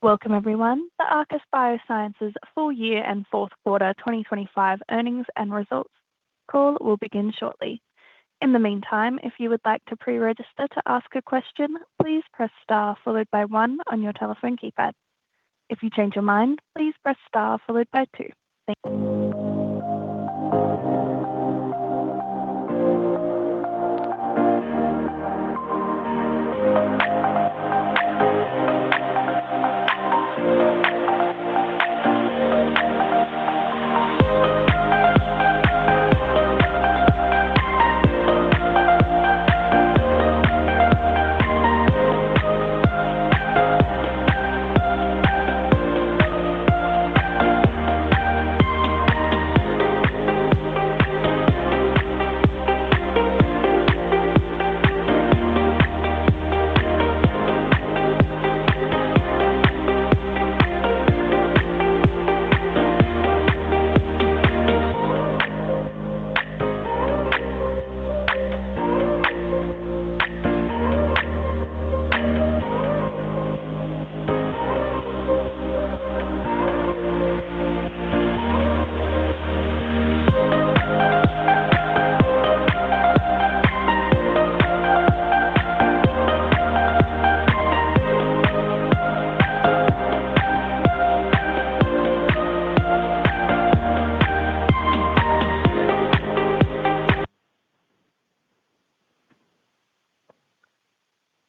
Welcome everyone. The Arcus Biosciences full year and fourth quarter 2025 earnings and results call will begin shortly. In the meantime, if you would like to pre-register to ask a question, please press Star followed by one on your telephone keypad. If you change your mind, please press Star followed by two.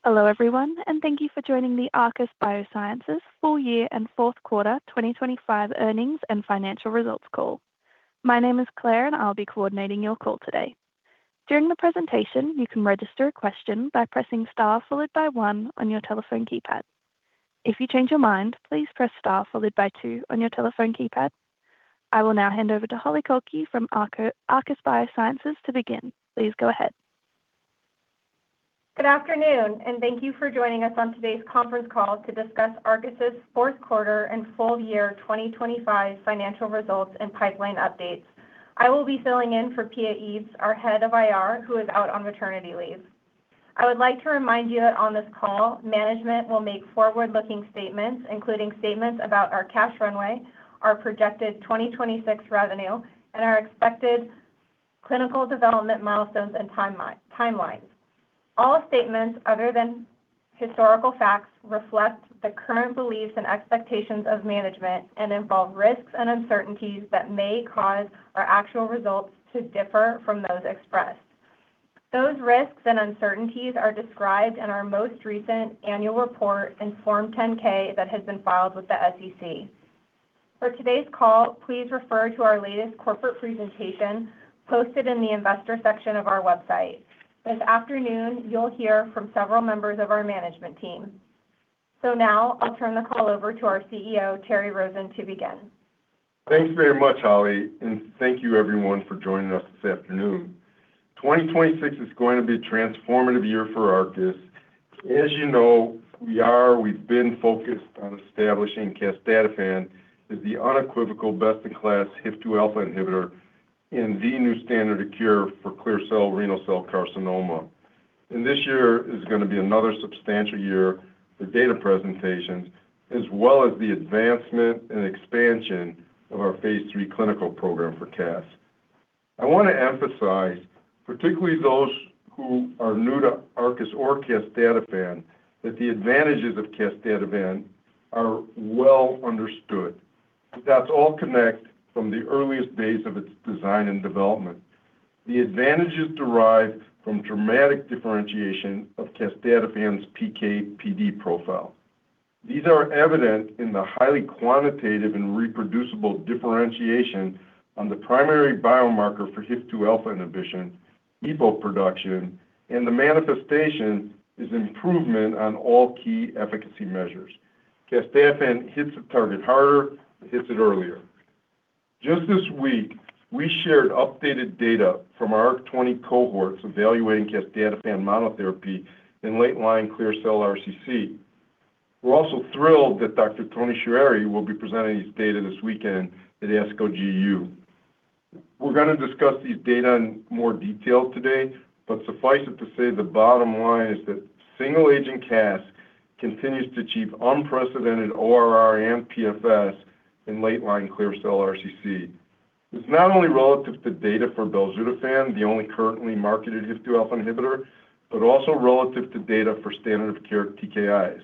Hello everyone, thank you for joining the Arcus Biosciences full year and fourth quarter 2025 earnings and financial results call. My name is Claire, and I'll be coordinating your call today. During the presentation, you can register a question by pressing Star followed by one on your telephone keypad. If you change your mind, please press star followed by two on your telephone keypad. I will now hand over to Holli Kolkey from Arcus Biosciences to begin. Please go ahead. Good afternoon. Thank you for joining us on today's conference call to discuss Arcus's fourth quarter and full year 2025 financial results and pipeline updates. I will be filling in for Pia Eaves, our Head of IR, who is out on maternity leave. I would like to remind you that on this call, management will make forward-looking statements, including statements about our cash runway, our projected 2026 revenue, and our expected clinical development milestones and timelines. All statements other than historical facts reflect the current beliefs and expectations of management and involve risks and uncertainties that may cause our actual results to differ from those expressed. Those risks and uncertainties are described in our most recent annual report and Form 10-K that has been filed with the SEC. For today's call, please refer to our latest corporate presentation posted in the investor section of our website. This afternoon, you'll hear from several members of our management team. Now I'll turn the call over to our CEO, Terry Rosen, to begin. Thanks very much, Holly, and thank you everyone for joining us this afternoon. 2026 is going to be a transformative year for Arcus. As you know, we've been focused on establishing casdatifan as the unequivocal best-in-class HIF-2α inhibitor and the new standard of care for clear cell renal cell carcinoma. This year is gonna be another substantial year for data presentations, as well as the advancement and expansion of our Phase III clinical program for CAS. I want to emphasize, particularly those who are new to Arcus or casdatifan, that the advantages of casdatifan are well understood. That's all connect from the earliest days of its design and development. The advantages derived from dramatic differentiation of casdatifan's PK/PD profile. These are evident in the highly quantitative and reproducible differentiation on the primary biomarker for HIF-2α inhibition, EPO production, and the manifestation is improvement on all key efficacy measures. casdatifan hits the target harder, it hits it earlier. Just this week, we shared updated data from our 20 cohorts evaluating casdatifan monotherapy in late-line clear cell RCC. We're also thrilled that Dr. Toni Choueiri will be presenting his data this weekend at ASCO GU. We're gonna discuss these data in more detail today. Suffice it to say, the bottom line is that single-agent CAS continues to achieve unprecedented ORR and PFS in late-line clear cell RCC. It's not only relative to data for belzutifan, the only currently marketed HIF-2α inhibitor, but also relative to data for standard of care TKIs.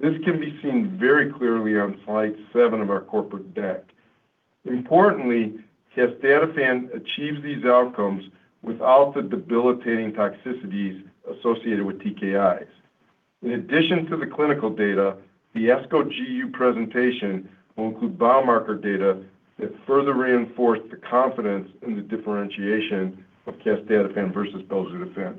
This can be seen very clearly on slide seven of our corporate deck. Importantly, casdatifan achieves these outcomes without the debilitating toxicities associated with TKIs. In addition to the clinical data, the ASCO GU presentation will include biomarker data that further reinforce the confidence in the differentiation of casdatifan versus belzutifan.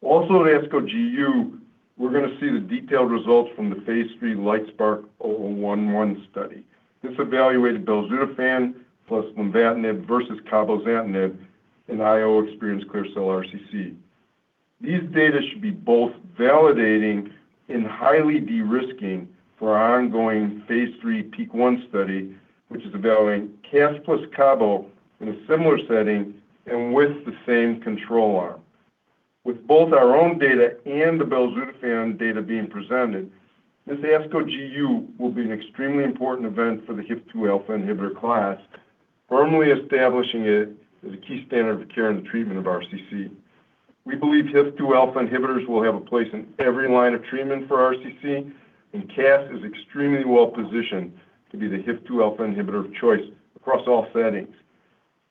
Also at ASCO GU, we're gonna see the detailed results from the phase three LITESPARK-011 study. This evaluated belzutifan plus lenvatinib versus cabozantinib in IO-experienced clear cell RCC. These data should be both validating and highly de-risking for our ongoing phase three PEAK-1 study, which is evaluating CAS plus cabo in a similar setting and with the same control arm. With both our own data and the belzutifan data being presented, this ASCO GU will be an extremely important event for the HIF-2α inhibitor class, firmly establishing it as a key standard of care in the treatment of RCC. We believe HIF-2α inhibitors will have a place in every line of treatment for RCC, CAS is extremely well-positioned to be the HIF-2α inhibitor of choice across all settings.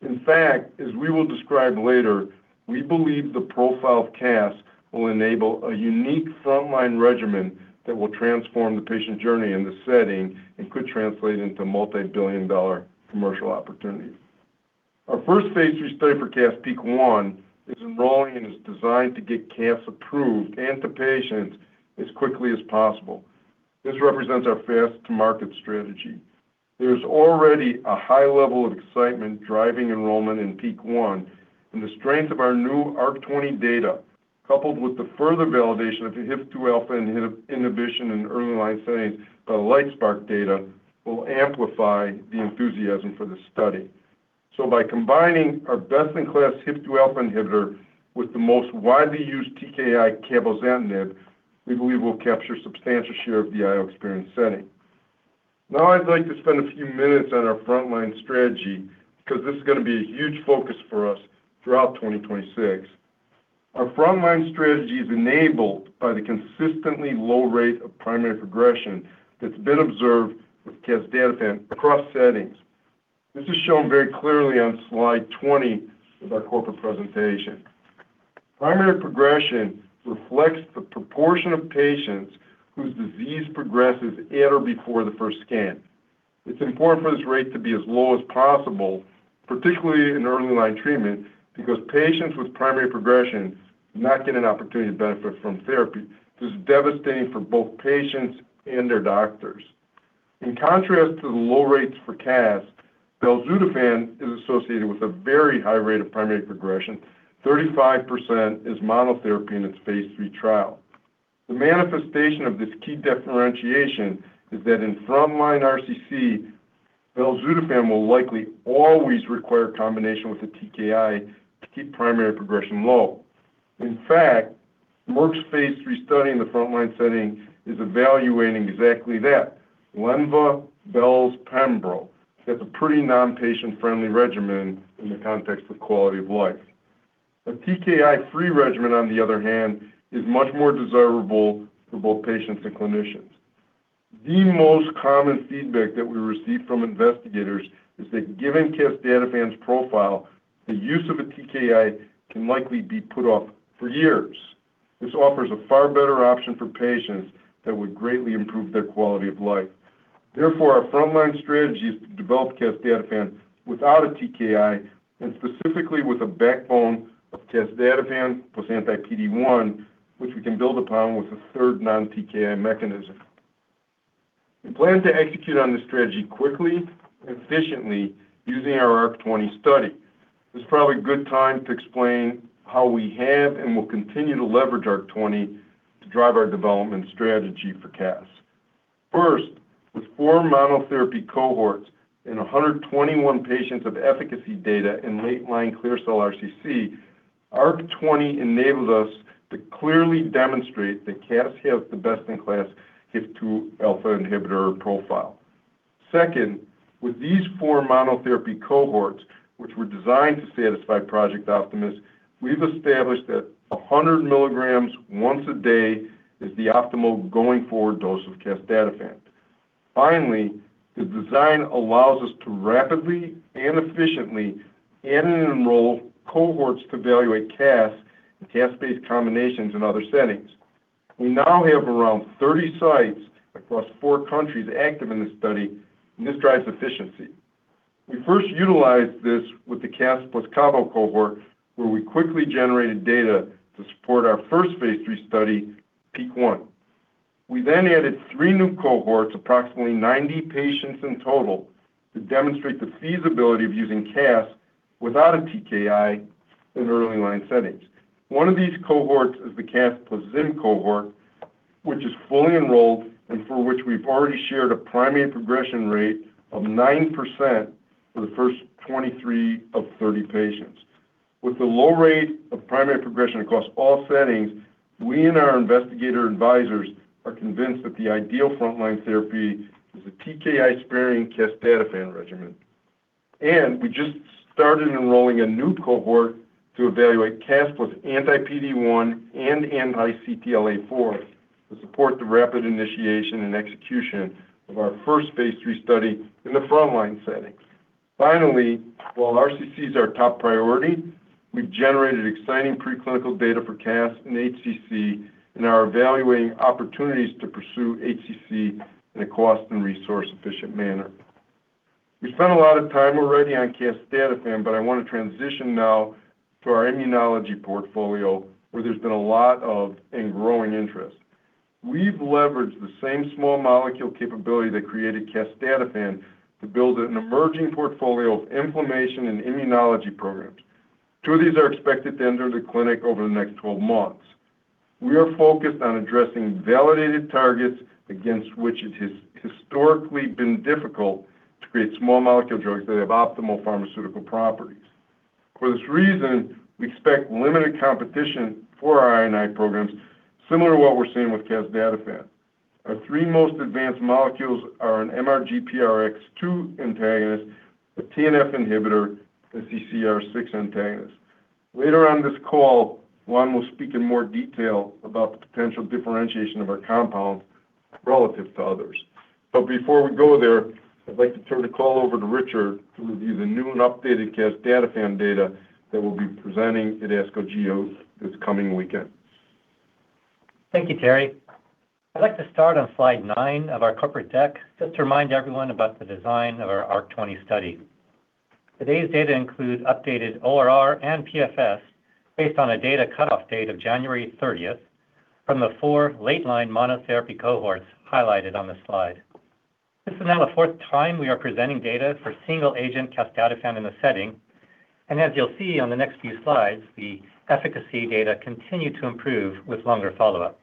As we will describe later, we believe the profile of CAS will enable a unique frontline regimen that will transform the patient journey in this setting and could translate into $ multi-billion commercial opportunities. Our first Phase III study for CAS, PEAK-1, is enrolling and is designed to get CAS approved and to patients as quickly as possible. This represents our fast-to-market strategy. There's already a high level of excitement driving enrollment in PEAK-1, the strength of our new ARC-20 data, coupled with the further validation of the HIF-2α inhibition in early line settings by the LITESPARK data, will amplify the enthusiasm for this study. By combining our best-in-class HIF-2α inhibitor with the most widely used TKI cabozantinib, we believe we'll capture a substantial share of the IO-experienced setting. I'd like to spend a few minutes on our frontline strategy because this is going to be a huge focus for us throughout 2026. Our frontline strategy is enabled by the consistently low rate of primary progression that's been observed with casdatifan across settings. This is shown very clearly on slide 20 of our corporate presentation. Primary progression reflects the proportion of patients whose disease progresses at or before the first scan. It's important for this rate to be as low as possible, particularly in early line treatment, because patients with primary progression do not get an opportunity to benefit from therapy. This is devastating for both patients and their doctors. In contrast to the low rates for CAS, belzutifan is associated with a very high rate of primary progression. 35% is monotherapy in its Phase III trial. The manifestation of this key differentiation is that in frontline RCC, belzutifan will likely always require combination with a TKI to keep primary progression low. In fact, Merck's Phase III study in the frontline setting is evaluating exactly that. Lenvima, Belz, Pembro, that's a pretty non-patient-friendly regimen in the context of quality of life. A TKI-free regimen, on the other hand, is much more desirable for both patients and clinicians. The most common feedback that we receive from investigators is that given casdatifan's profile, the use of a TKI can likely be put off for years. This offers a far better option for patients that would greatly improve their quality of life. Our frontline strategy is to develop casdatifan without a TKI and specifically with a backbone of casdatifan plus anti-PD-1, which we can build upon with a third non-TKI mechanism. We plan to execute on this strategy quickly and efficiently using our ARC-20 study. This is probably a good time to explain how we have and will continue to leverage ARC-20 to drive our development strategy for CAS. First, with four monotherapy cohorts and 121 patients of efficacy data in late-line clear cell RCC, ARC-20 enables us to clearly demonstrate that CAS has the best-in-class HIF-2α inhibitor profile. Second, with these four monotherapy cohorts, which were designed to satisfy Project Optimus, we've established that 100 mg once a day is the optimal going forward dose of casdatifan. The design allows us to rapidly and efficiently add and enroll cohorts to evaluate CAS and CAS-based combinations in other settings. We now have around 30 sites across four countries active in this study, and this drives efficiency. We first utilized this with the CAS plus cabo cohort, where we quickly generated data to support our first phase III study, PEAK1. We added three new cohorts, approximately 90 patients in total, to demonstrate the feasibility of using CAS without a TKI in early line settings. One of these cohorts is the CAS plus zim cohort, which is fully enrolled and for which we've already shared a primary progression rate of 9% for the first 23 of 30 patients. With the low rate of primary progression across all settings, we and our investigator advisors are convinced that the ideal frontline therapy is a TKI-sparing casdatifan regimen. We just started enrolling a new cohort to evaluate CAS with anti-PD-1 and anti-CTLA-4 to support the rapid initiation and execution of our first Phase III study in the frontline settings. Finally, while RCC is our top priority, we've generated exciting preclinical data for CAS in HCC and are evaluating opportunities to pursue HCC in a cost and resource-efficient manner. We spent a lot of time already on casdatifan, but I want to transition now to our immunology portfolio, where there's been a lot of and growing interest. We've leveraged the same small molecule capability that created casdatifan to build an emerging portfolio of inflammation and immunology programs. Two of these are expected to enter the clinic over the next 12 months. We are focused on addressing validated targets against which it has historically been difficult to create small molecule drugs that have optimal pharmaceutical properties. For this reason, we expect limited competition for our I&I programs, similar to what we're seeing with casdatifan. Our three most advanced molecules are an MRGPRX2 antagonist, a TNF inhibitor, and CCR6 antagonist. Later on this call, Juan will speak in more detail about the potential differentiation of our compounds relative to others. Before we go there, I'd like to turn the call over to Richard to review the new and updated casdatifan data that we'll be presenting at ASCO GU this coming weekend. Thank you, Terry. I'd like to start on slide nine of our corporate deck just to remind everyone about the design of our ARC-20 study. Today's data includes updated ORR and PFS based on a data cutoff date of January 30th from the four late line monotherapy cohorts highlighted on this slide. This is now the fourth time we are presenting data for single agent casdatifan in the setting. As you'll see on the next few slides, the efficacy data continue to improve with longer follow-up.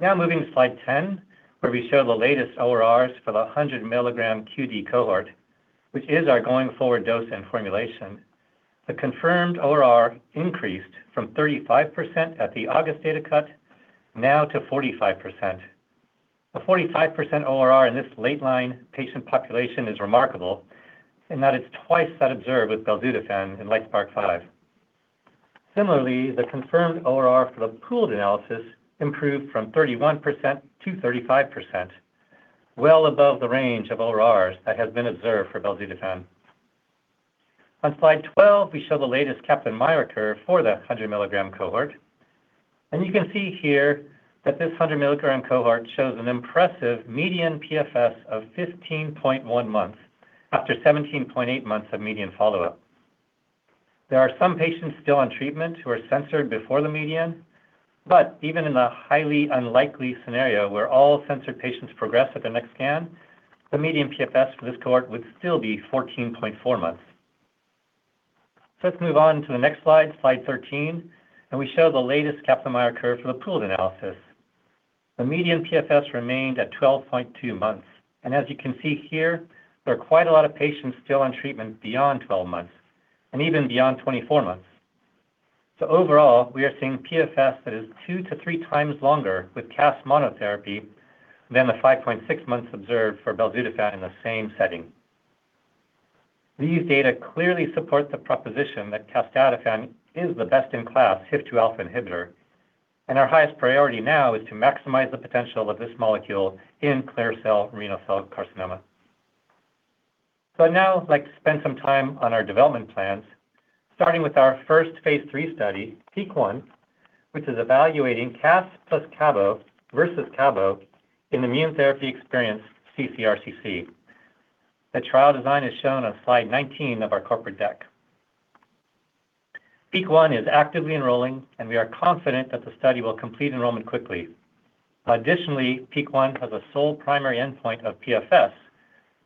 Moving to slide 10, where we show the latest ORRs for the 100-milligram QD cohort, which is our going-forward dose and formulation. The confirmed ORR increased from 35% at the August data cut, now to 45%. The 45% ORR in this late line patient population is remarkable, in that it's twice that observed with belzutifan in LITESPARK-005. Similarly, the confirmed ORR for the pooled analysis improved from 31% to 35%, well above the range of ORRs that has been observed for belzutifan. On slide 12, we show the latest Kaplan-Meier curve for the 100-milligram cohort. You can see here that this 100-milligram cohort shows an impressive median PFS of 15.1 months after 17.8 months of median follow-up. There are some patients still on treatment who are censored before the median, but even in the highly unlikely scenario where all censored patients progress at their next scan, the median PFS for this cohort would still be 14.4 months. Let's move on to the next slide 13, and we show the latest Kaplan-Meier curve for the pooled analysis. The median PFS remained at 12.2 months. As you can see here, there are quite a lot of patients still on treatment beyond 12 months and even beyond 24 months. Overall, we are seeing PFS that is two to three times longer with CAS monotherapy than the 5.6 months observed for belzutifan in the same setting. These data clearly support the proposition that casdatifan is the best in class HIF-2α inhibitor. Our highest priority now is to maximize the potential of this molecule in clear cell renal cell carcinoma. Now I'd like to spend some time on our development plans, starting with our first Phase III study, PEAK-1, which is evaluating CAS plus CABO versus CABO in immunotherapy-experienced ccRCC. The trial design is shown on slide 19 of our corporate deck. PEAK-1 is actively enrolling. We are confident that the study will complete enrollment quickly. Additionally, PEAK-1 has a sole primary endpoint of PFS,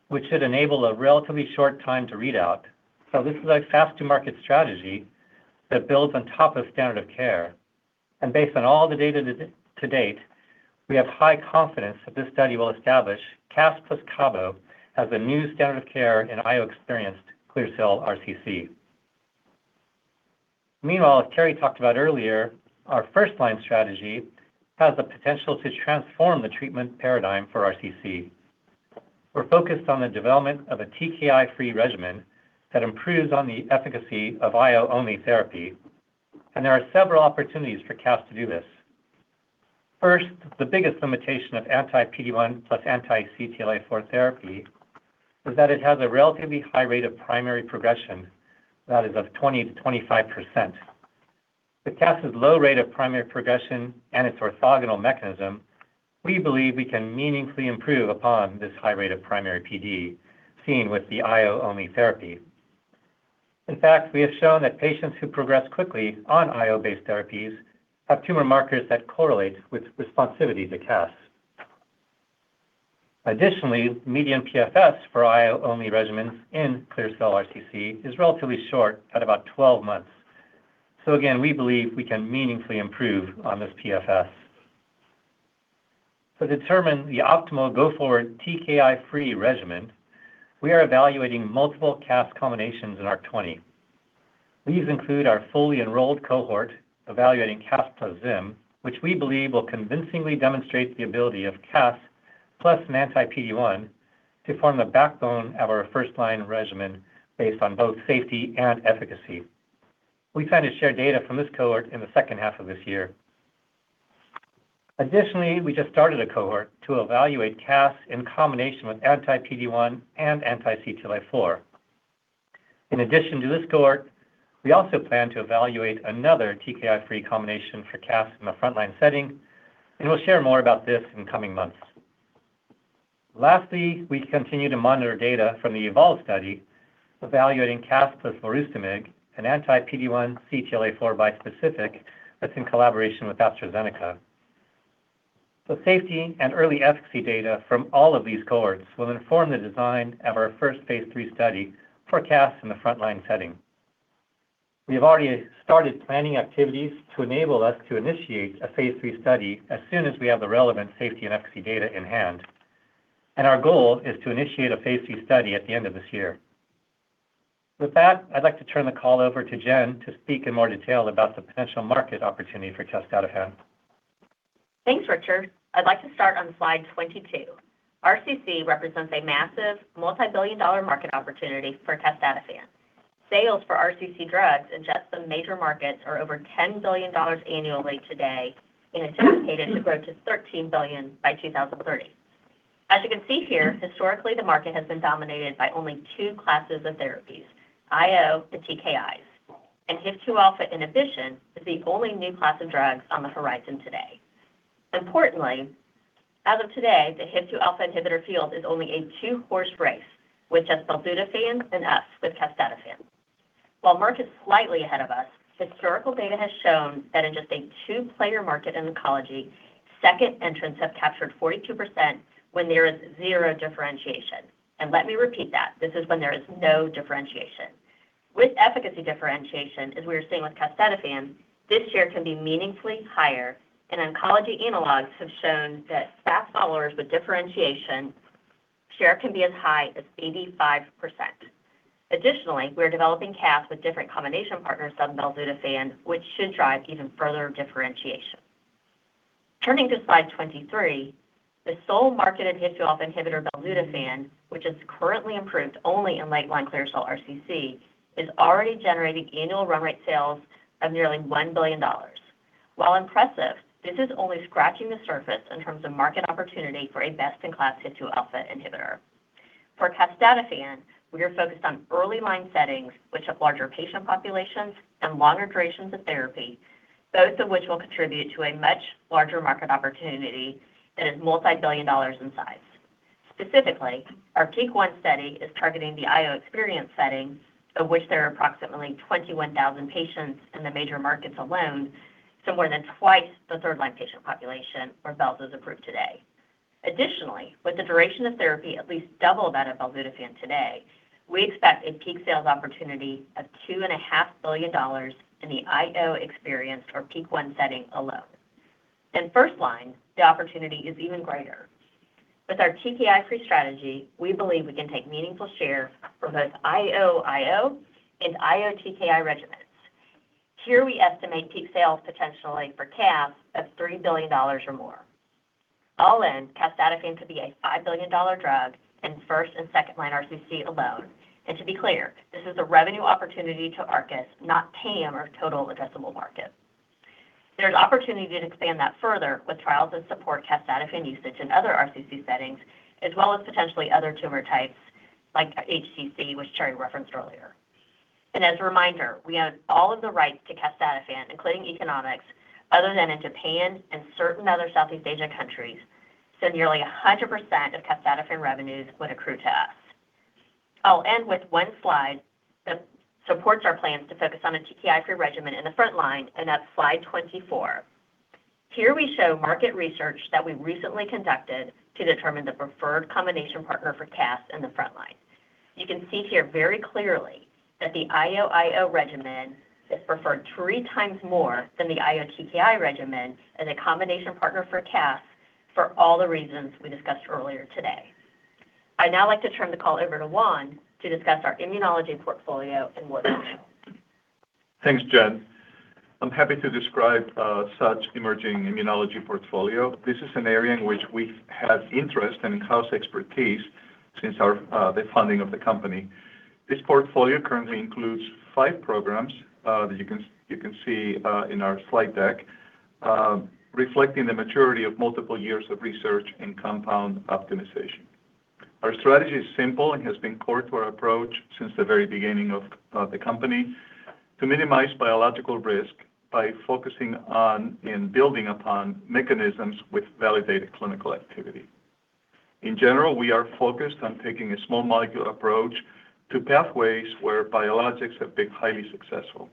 which should enable a relatively short time to read out. This is a fast to market strategy that builds on top of standard of care, and based on all the data to date, we have high confidence that this study will establish CAS plus CABO as the new standard of care in IO-experienced clear cell RCC. Meanwhile, as Terry talked about earlier, our first-line strategy has the potential to transform the treatment paradigm for RCC. We're focused on the development of a TKI-free regimen that improves on the efficacy of IO-only therapy, and there are several opportunities for CAS to do this. The biggest limitation of anti-PD-1 plus anti-CTLA-4 therapy is that it has a relatively high rate of primary progression, that is, of 20%-25%. With CAS's low rate of primary progression and its orthogonal mechanism, we believe we can meaningfully improve upon this high rate of primary PD seen with the IO-only therapy. We have shown that patients who progress quickly on IO-based therapies have tumor markers that correlate with responsivity to CAS. Median PFS for IO-only regimens in clear cell RCC is relatively short at about 12 months. Again, we believe we can meaningfully improve on this PFS. To determine the optimal go-forward TKI-free regimen, we are evaluating multiple CAS combinations in ARC-20. These include our fully enrolled cohort evaluating CAS plus Zim, which we believe will convincingly demonstrate the ability of CAS plus an anti-PD-1 to form the backbone of our first-line regimen based on both safety and efficacy. We plan to share data from this cohort in the second half of this year. We just started a cohort to evaluate CAS in combination with anti-PD-1 and anti-CTLA-4. In addition to this cohort, we also plan to evaluate another TKI-free combination for CAS in the frontline setting, and we'll share more about this in the coming months. We continue to monitor data from the eVOLVE study evaluating CAS plus volrustomig, an anti-PD-1 CTLA-4 bispecific that's in collaboration with AstraZeneca. The safety and early efficacy data from all of these cohorts will inform the design of our first Phase III study for CAS in the frontline setting. We have already started planning activities to enable us to initiate a Phase III study as soon as we have the relevant safety and efficacy data in hand. Our goal is to initiate a Phase III study at the end of this year. With that, I'd like to turn the call over to Jen to speak in more detail about the potential market opportunity for casdatifan. Thanks, Richard. I'd like to start on slide 22. RCC represents a massive multi-billion dollar market opportunity for casdatifan. Sales for RCC drugs in just some major markets are over $10 billion annually today, and is anticipated to grow to $13 billion by 2030. As you can see here, historically, the market has been dominated by only two classes of therapies, IO and TKIs. HIF-2α inhibition is the only new class of drugs on the horizon today. Importantly, as of today, the HIF-2α inhibitor field is only a 2-horse race with just belzutifan and us, with casdatifan. While market is slightly ahead of us, historical data has shown that in just a 2-player market in oncology, second entrants have captured 42% when there is 0 differentiation. Let me repeat that, this is when there is no differentiation. With efficacy differentiation, as we are seeing with casdatifan, this year can be meaningfully higher. Oncology analogs have shown that fast followers with differentiation share can be as high as 85%. Additionally, we are developing casdatifan with different combination partners than belzutifan, which should drive even further differentiation. Turning to slide 23, the sole marketed HIF-2α inhibitor, belzutifan, which is currently approved only in late-line clear cell RCC, is already generating annual run rate sales of nearly $1 billion. While impressive, this is only scratching the surface in terms of market opportunity for a best-in-class HIF-2α inhibitor. For casdatifan, we are focused on early line settings, which have larger patient populations and longer durations of therapy, both of which will contribute to a much larger market opportunity that is multi-billion dollars in size. Specifically, our PEAK-1 study is targeting the IO experience setting, of which there are approximately 21,000 patients in the major markets alone, somewhere than twice the third-line patient population, where BELZ is approved today. Additionally, with the duration of therapy at least double that of belzutifan today, we expect a peak sales opportunity of $2.5 billion in the IO experience or PEAK-1 setting alone. In first line, the opportunity is even greater. With our TKI-free strategy, we believe we can take meaningful share from both IOIO and IOTKI regimens. Here we estimate peak sales potentially for casdatifan of $3 billion or more. All in, casdatifan could be a $5 billion drug in first and second line RCC alone. To be clear, this is a revenue opportunity to Arcus, not TAM or total addressable market. There's opportunity to expand that further with trials that support casdatifan usage in other RCC settings, as well as potentially other tumor types like HCC, which Terry referenced earlier. As a reminder, we own all of the rights to casdatifan, including economics, other than in Japan and certain other Southeast Asian countries, so nearly 100% of casdatifan revenues would accrue to us. I'll end with one slide that supports our plans to focus on a TKI-free regimen in the front line, and that's slide 24. Here we show market research that we recently conducted to determine the preferred combination partner for casdatifan in the front line. You can see here very clearly that the IOIO regimen is preferred three times more than the IOTKI regimen as a combination partner for casdatifan, for all the reasons we discussed earlier today. I'd now like to turn the call over to Juan to discuss our immunology portfolio and what's next. Thanks, Jen. I'm happy to describe such emerging immunology portfolio. This is an area in which we have interest and in-house expertise since our the funding of the company. This portfolio currently includes five programs that you can see in our slide deck, reflecting the maturity of multiple years of research and compound optimization. Our strategy is simple and has been core to our approach since the very beginning of the company: to minimize biological risk by focusing on and building upon mechanisms with validated clinical activity. In general, we are focused on taking a small molecule approach to pathways where biologics have been highly successful.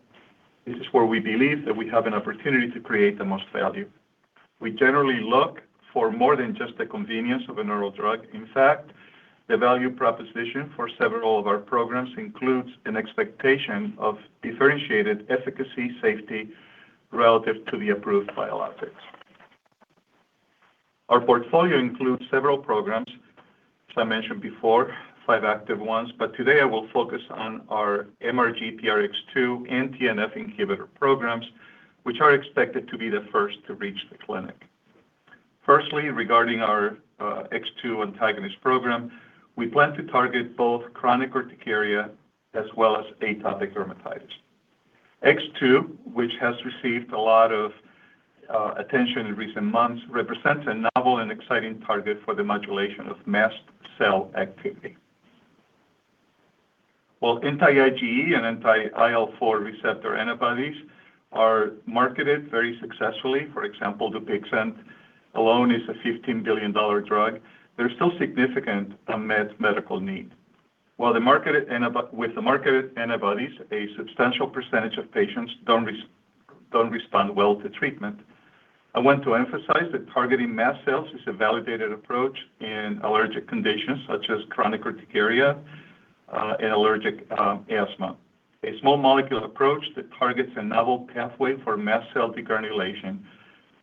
This is where we believe that we have an opportunity to create the most value. We generally look for more than just the convenience of an oral drug. In fact, the value proposition for several of our programs includes an expectation of differentiated efficacy, safety, relative to the approved biologics. Our portfolio includes several programs, as I mentioned before, five active ones, but today I will focus on our MRGPRX2 and TNF inhibitor programs, which are expected to be the first to reach the clinic. Firstly, regarding our X2 antagonist program, we plan to target both chronic urticaria as well as atopic dermatitis. X2, which has received a lot of attention in recent months, represents a novel and exciting target for the modulation of mast cell activity. While anti-IgE and anti-IL4 receptor antibodies are marketed very successfully, for example, Dupixent alone is a $15 billion drug, there's still significant unmet medical need. While with the marketed antibodies, a substantial percentage of patients don't respond well to treatment. I want to emphasize that targeting mast cells is a validated approach in allergic conditions such as chronic urticaria, and allergic asthma. A small molecule approach that targets a novel pathway for mast cell degranulation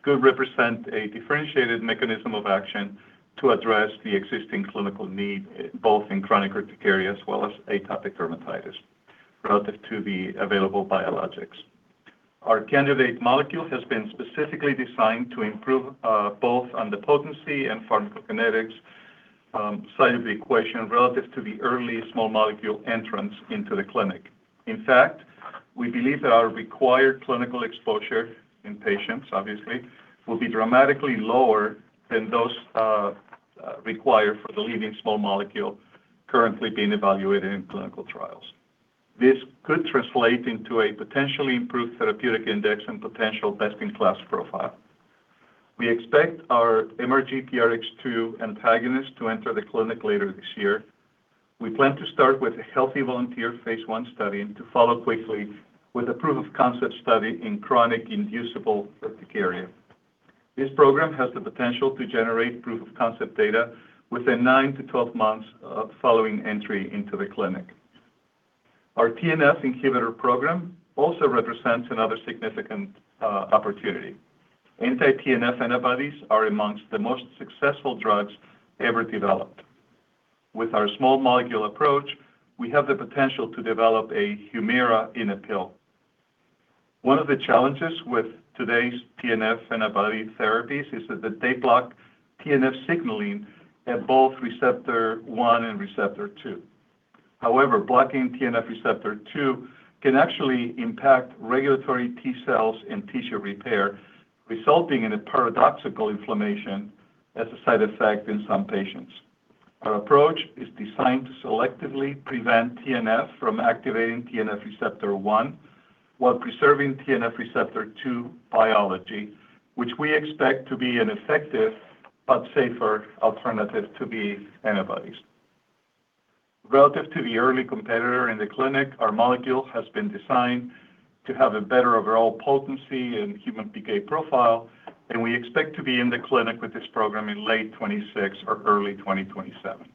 could represent a differentiated mechanism of action to address the existing clinical need, both in chronic urticaria as well as atopic dermatitis, relative to the available biologics. Our candidate molecule has been specifically designed to improve both on the potency and pharmacokinetics side of the equation, relative to the early small molecule entrants into the clinic. In fact, we believe that our required clinical exposure in patients, obviously, will be dramatically lower than those required for the leading small molecule currently being evaluated in clinical trials. This could translate into a potentially improved therapeutic index and potential best-in-class profile. We expect our MRGPRX2 antagonist to enter the clinic later this year. We plan to start with a healthy volunteer Phase I study, to follow quickly with a proof of concept study in chronic inducible urticaria. This program has the potential to generate proof of concept data within nine to 12 months following entry into the clinic. Our TNF inhibitor program also represents another significant opportunity. Anti-TNF antibodies are amongst the most successful drugs ever developed. With our small molecule approach, we have the potential to develop a Humira in a pill. One of the challenges with today's TNF antibody therapies is that they block TNF signaling at both receptor 1 and receptor 2. Blocking TNF receptor 2 can actually impact regulatory T cells and tissue repair, resulting in a paradoxical inflammation as a side effect in some patients. Our approach is designed to selectively prevent TNF from activating TNF receptor 1, while preserving TNF receptor 2 biology, which we expect to be an effective but safer alternative to the antibodies. Relative to the early competitor in the clinic, our molecule has been designed to have a better overall potency and human PK profile. We expect to be in the clinic with this program in late 2026 or early 2027.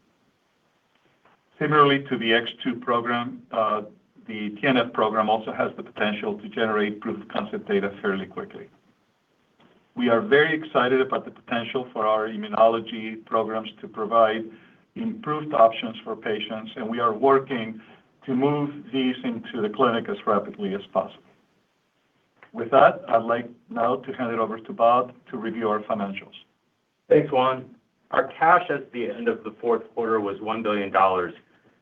Similarly to the X2 program, the TNF program also has the potential to generate proof of concept data fairly quickly. We are very excited about the potential for our immunology programs to provide improved options for patients. We are working to move these into the clinic as rapidly as possible. With that, I'd like now to hand it over to Bob to review our financials. Thanks, Juan. Our cash at the end of the fourth quarter was $1 billion,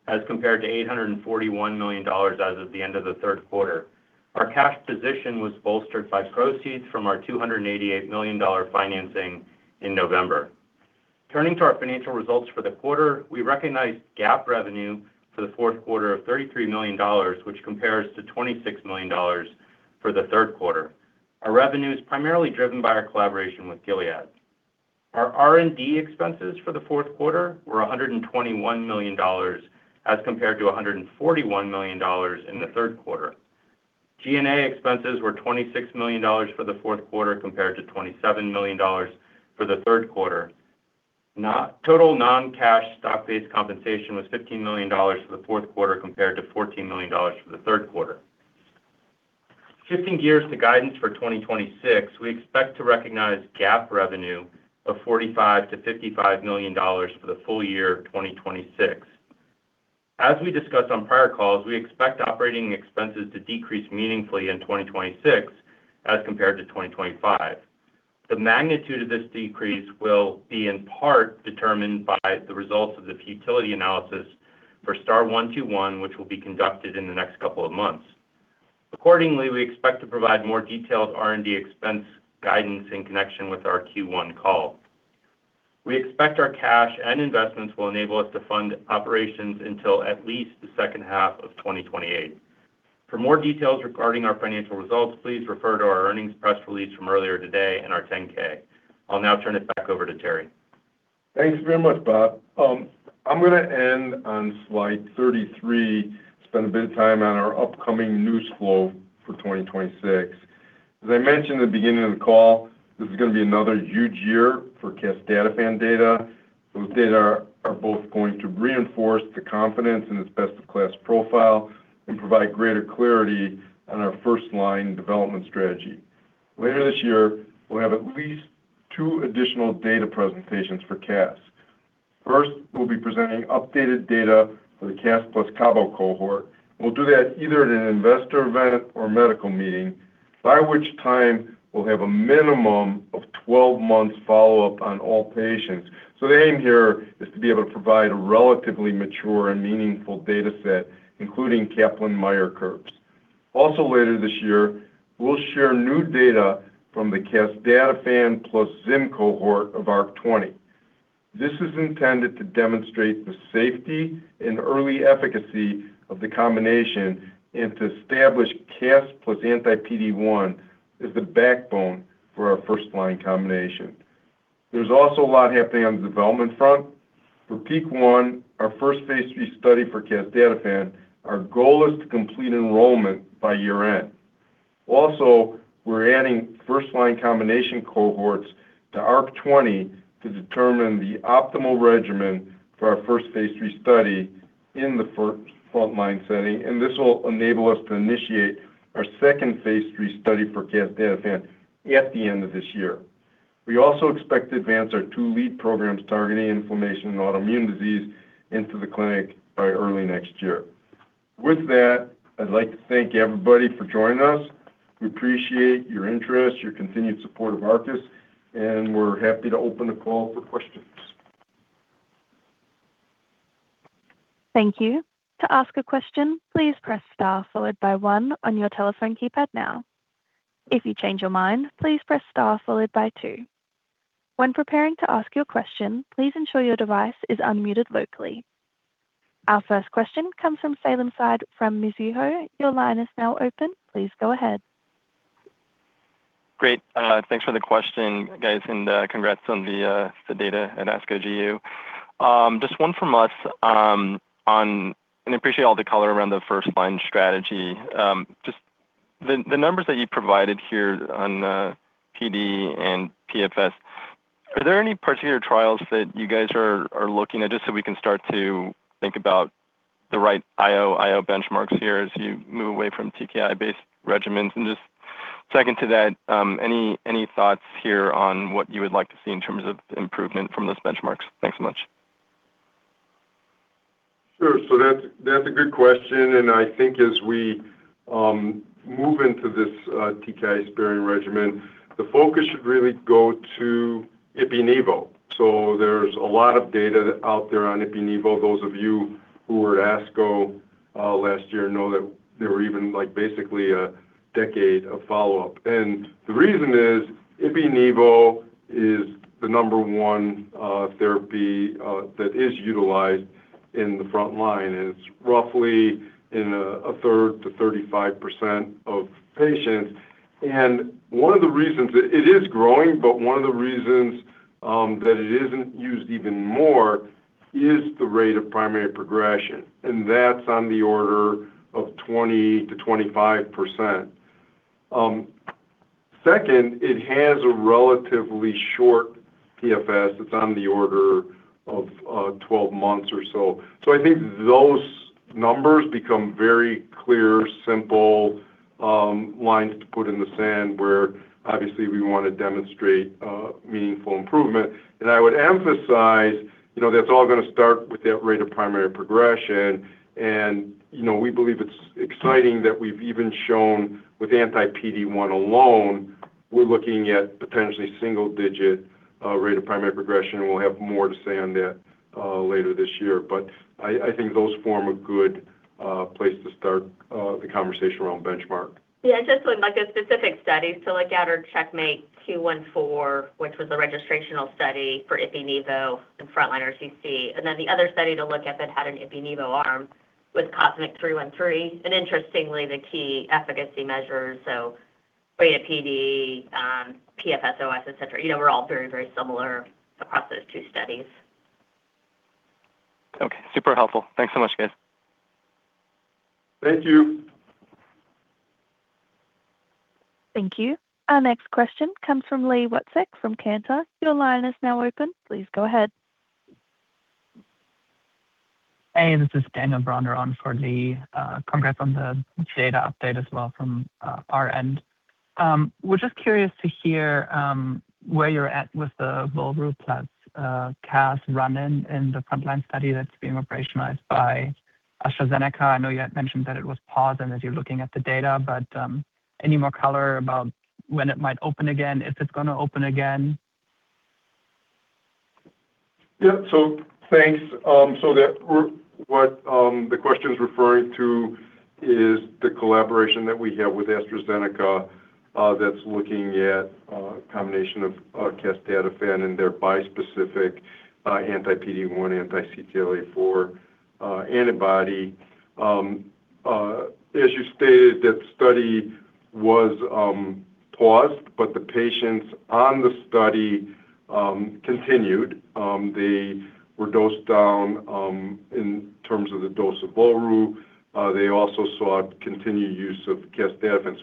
as compared to $841 million as of the end of the third quarter. Our cash position was bolstered by proceeds from our $288 million financing in November. Turning to our financial results for the quarter, we recognized GAAP revenue for the fourth quarter of $33 million, which compares to $26 million for the third quarter. Our revenue is primarily driven by our collaboration with Gilead. Our R&D expenses for the fourth quarter were $121 million, as compared to $141 million in the third quarter. G&A expenses were $26 million for the fourth quarter, compared to $27 million for the third quarter. Total non-cash stock-based compensation was $15 million for the fourth quarter, compared to $14 million for the third quarter. Shifting gears to guidance for 2026, we expect to recognize GAAP revenue of $45 million-$55 million for the full year of 2026. As we discussed on prior calls, we expect operating expenses to decrease meaningfully in 2026 as compared to 2025. The magnitude of this decrease will be in part determined by the results of the futility analysis for STAR-121, which will be conducted in the next couple of months. Accordingly, we expect to provide more detailed R&D expense guidance in connection with our Q1 call. We expect our cash and investments will enable us to fund operations until at least the second half of 2028. For more details regarding our financial results, please refer to our earnings press release from earlier today and our 10-K. I'll now turn it back over to Terry. Thanks very much, Bob. I'm going to end on slide 33, spend a bit of time on our upcoming news flow for 2026. As I mentioned at the beginning of the call, this is going to be another huge year for casdatifan data. Those data are both going to reinforce the confidence in its best-in-class profile and provide greater clarity on our first-line development strategy. Later this year, we'll have at least two additional data presentations for casdatifan. First, we'll be presenting updated data for the casdatifan plus cabozantinib cohort. We'll do that either at an investor event or medical meeting, by which time we'll have a minimum of 12 months follow-up on all patients. The aim here is to be able to provide a relatively mature and meaningful data set, including Kaplan-Meier curves. Also, later this year, we'll share new data from the casdatifan plus Zim cohort of ARC-20. This is intended to demonstrate the safety and early efficacy of the combination, and to establish casdatifan plus anti-PD-1 as the backbone for our first-line combination. There's also a lot happening on the development front. For PEAK-1, our first Phase III study for casdatifan, our goal is to complete enrollment by year-end. Also, we're adding first line combination cohorts to ARC-20 to determine the optimal regimen for our first Phase III study in the first frontline setting, and this will enable us to initiate our second Phase III study for casdatifan at the end of this year. We also expect to advance our two lead programs targeting inflammation and autoimmune disease into the clinic by early next year. With that, I'd like to thank everybody for joining us. We appreciate your interest, your continued support of Arcus, and we're happy to open the call for questions. Thank you. To ask a question, please press star followed by one on your telephone keypad now. If you change your mind, please press star followed by 2. When preparing to ask your question, please ensure your device is unmuted locally. Our first question comes from Salim Syed from Mizuho. Your line is now open. Please go ahead. Great. Thanks for the question, guys, and congrats on the data at ASCO GU. Just one from us, and I appreciate all the color around the first line strategy. Just the numbers that you provided here on PD and PFS, are there any particular trials that you guys are looking at, just so we can start to think about the right IO benchmarks here as you move away from TKI-based regimens? Just second to that, any thoughts here on what you would like to see in terms of improvement from those benchmarks? Thanks so much. Sure. That's a good question, and I think as we move into this TKI-sparing regimen, the focus should really go to Ipi-Nivo. There's a lot of data out there on Ipi-Nivo. Those of you who were at ASCO last year know that there were even, like, basically a decade of follow-up. The reason is Ipi-Nivo is the number one therapy that is utilized in the front line, and it's roughly in a third to 35% of patients. One of the reasons it is growing, but one of the reasons that it isn't used even more is the rate of primary progression, and that's on the order of 20%-25%. Second, it has a relatively short PFS. It's on the order of 12 months or so. I think those numbers become very clear, simple, lines to put in the sand, where obviously we want to demonstrate meaningful improvement. I would emphasize, you know, that's all gonna start with that rate of primary progression, and, you know, we believe it's exciting that we've even shown with anti-PD-1 alone, we're looking at potentially single-digit rate of primary progression, and we'll have more to say on that later this year. I think those form a good place to start the conversation around benchmark. Just like the specific studies, so like at our CheckMate 214, which was a registrational study for Ipi/Nivo and front-line RCC, and then the other study to look at that had an Ipi/Nivo arm was COSMIC-313. Interestingly, the key efficacy measures, so rate of PD, PFS, OS, et cetera, you know, were all very, very similar across those two studies. Okay, super helpful. Thanks so much, guys. Thank you. Thank you. Our next question comes from Li Watsek from Cantor. Your line is now open. Please go ahead. Hey, this is Daniel Bronder for Li Watsek. Congrats on the data update as well from our end. We're just curious to hear where you're at with the volrustomig plus casdatifan run-in in the frontline study that's being operationalized by AstraZeneca. I know you had mentioned that it was paused as you're looking at the data, but any more color about when it might open again, if it's gonna open again? Thanks. The question is referring to is the collaboration that we have with AstraZeneca that's looking at a combination of casdatifan and their bispecific anti-PD-1/CTLA-4 antibody. As you stated, that study was paused, but the patients on the study continued. They were dosed down in terms of the dose of Volru. They also saw continued use of casdatifan.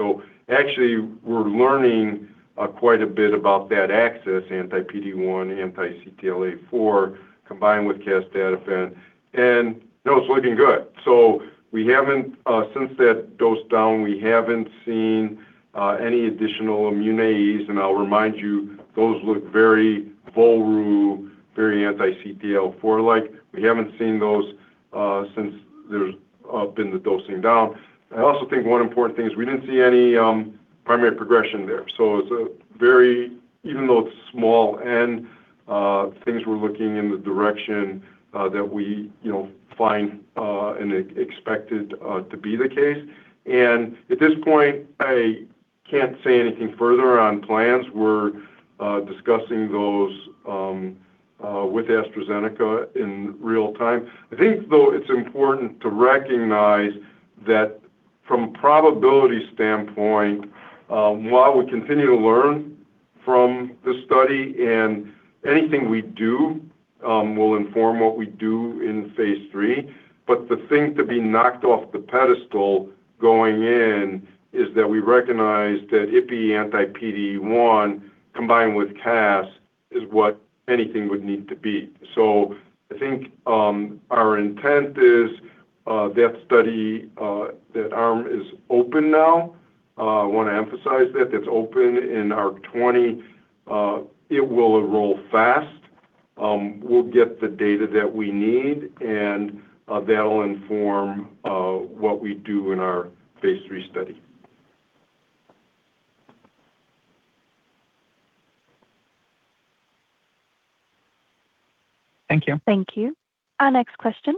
Actually, we're learning quite a bit about that access, anti-PD-1/CTLA-4, combined with casdatifan, and no, it's looking good. Since that dose down, we haven't seen any additional immunities, and I'll remind you, those look very Volru, very anti-CTLA-4 like. We haven't seen those since there's been the dosing down. I also think one important thing is we didn't see any primary progression there. It's a very, even though it's small and things were looking in the direction that we, you know, find and expected to be the case. At this point, I can't say anything further on plans. We're discussing those with AstraZeneca in real time. I think, though, it's important to recognize that from a probability standpoint, while we continue to learn from this study, and anything we do, will inform what we do in Phase III. The thing to be knocked off the pedestal going in is that we recognize that IPI anti-PD-1 combined with CAS is what anything would need to be. I think, our intent is that study, that arm is open now. I want to emphasize that it's open in ARC-20. It will enroll fast. We'll get the data that we need. That'll inform what we do in our phase three study. Thank you. Thank you. Our next question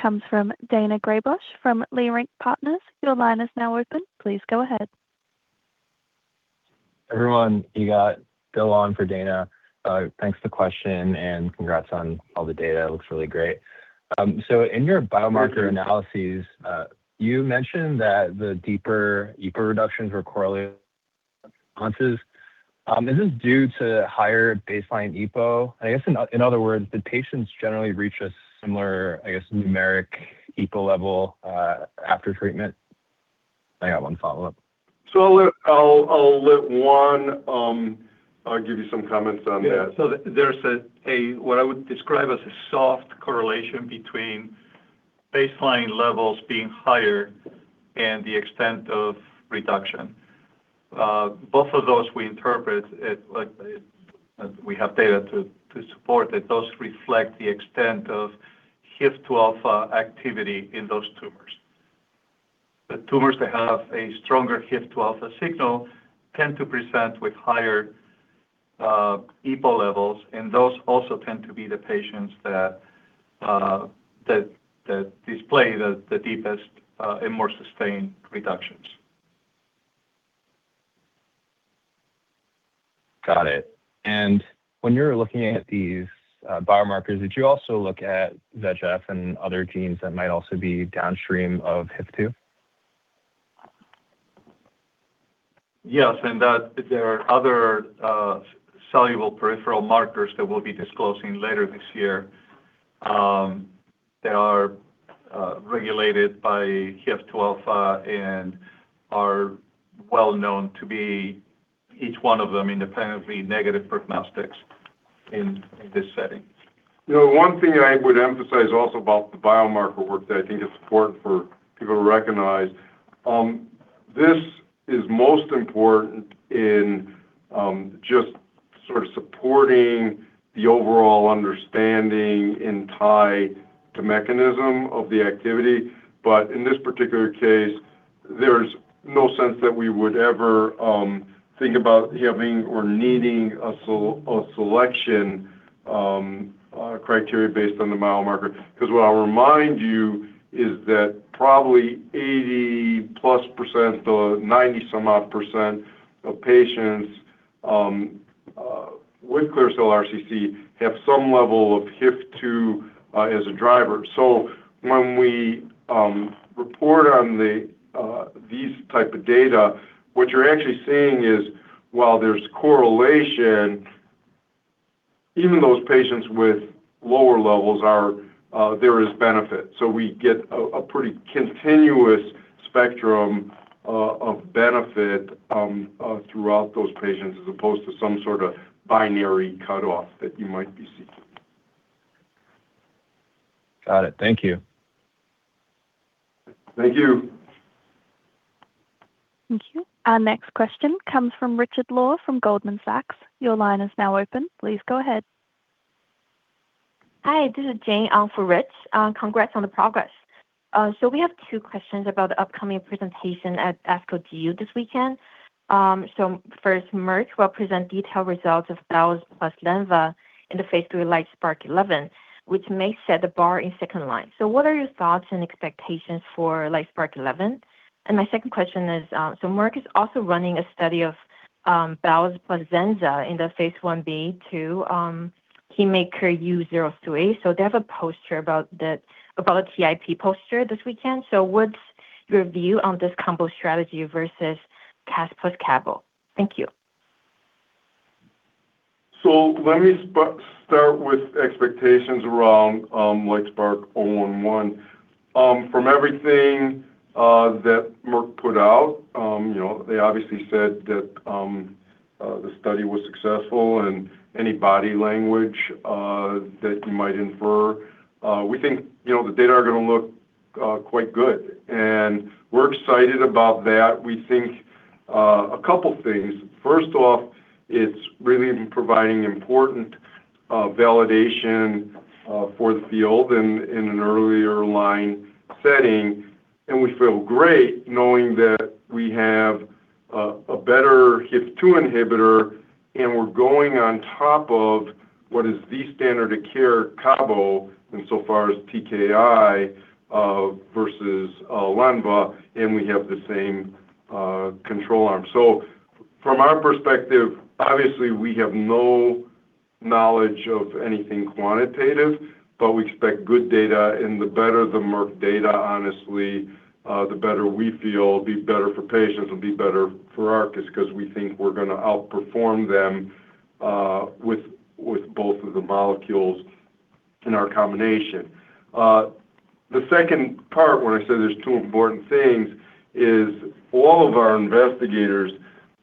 comes from Daina Graybosch from Leerink Partners. Your line is now open. Please go ahead. Everyone, you got go on for Daina. Thanks for the question, and congrats on all the data. It looks really great. In your biomarker analyses, you mentioned that the deeper EPO reductions were correlated responses. Is this due to higher baseline EPO? I guess in other words, did patients generally reach a similar, I guess, numeric EPO level after treatment? I got one follow-up. I'll let Juan give you some comments on that. Yeah. There's a what I would describe as a soft correlation between baseline levels being higher and the extent of reduction. Both of those we interpret it like, we have data to support that those reflect the extent of HIF-2α activity in those tumors. The tumors that have a stronger HIF-2α signal tend to present with higher EPO levels, and those also tend to be the patients that display the deepest and more sustained reductions. Got it. when you're looking at these, biomarkers, did you also look at VEGF and other genes that might also be downstream of HIF-2? Yes, there are other, soluble peripheral markers that we'll be disclosing later this year. They are regulated by HIF-2α and are well known to be each one of them independently negative prognostics in this setting. You know, one thing I would emphasize also about the biomarker work that I think is important for people to recognize, this is most important in just sort of supporting the overall understanding in tie to mechanism of the activity. In this particular case, there's no sense that we would ever think about having or needing a selection criteria based on the biomarker. What I'll remind you is that probably 80% plus or 90% some odd of patients with clear cell RCC have some level of HIF-2 as a driver. When we report on these type of data, what you're actually seeing is while there's correlation, even those patients with lower levels are, there is benefit. We get a pretty continuous spectrum of benefit throughout those patients as opposed to some sort of binary cutoff that you might be seeking. Got it. Thank you. Thank you. Thank you. Our next question comes from Richard Law from Goldman Sachs. Your line is now open. Please go ahead. Hi, this is Jane on for Rich. Congrats on the progress. We have two questions about the upcoming presentation at ASCO GU this weekend. First, Merck will present detailed results of belzutifan plus lenvatinib in the Phase III LITESPARK-011, which may set the bar in second line. What are your thoughts and expectations for LITESPARK-011? My second question is, Merck is also running a study of belzutifan plus lenvatinib in the Phase Ib/2 KEYMAKER-U02A. They have a poster about a TIP poster this weekend. What's your view on this combo strategy versus casdatifan plus cabozantinib? Thank you. Let me start with expectations around LITESPARK-011. From everything that Merck put out, you know, they obviously said that the study was successful and any body language that you might infer, we think, you know, the data are gonna look quite good. We're excited about that. We think a couple things. First off, it's really providing important validation for the field in an earlier line setting, and we feel great knowing that we have a better HIF-2 inhibitor, and we're going on top of what is the standard of care Cabo and so far as TKI versus Lenva, and we have the same control arm. From our perspective, obviously, we have no-... knowledge of anything quantitative. We expect good data. The better the Merck data, honestly, the better we feel be better for patients and be better for Arcus, because we think we're going to outperform them, with both of the molecules in our combination. The second part, when I said there's two important things, is all of our investigators,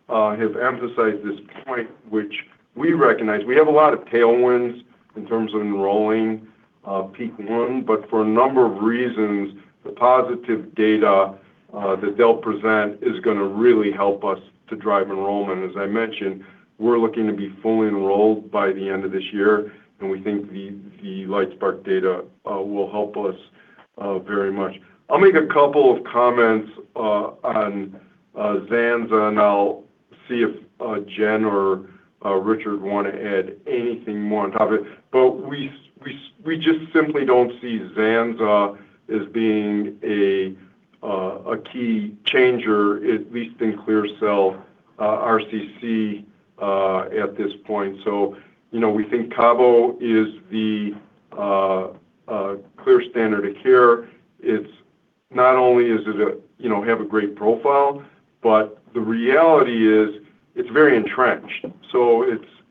have emphasized this point, which we recognize. We have a lot of tailwinds in terms of enrolling, PEAK-1, but for a number of reasons, the positive data, that they'll present is gonna really help us to drive enrollment. As I mentioned, we're looking to be fully enrolled by the end of this year. We think the LITESPARK data, will help us, very much. I'll make a couple of comments on Zanza, and I'll see if Jen or Richard want to add anything more on top of it. We just simply don't see Zanza as being a key changer, at least in clear cell RCC at this point. You know, we think cabo is the clear standard of care. It's not only is it a, you know, have a great profile, but the reality is it's very entrenched.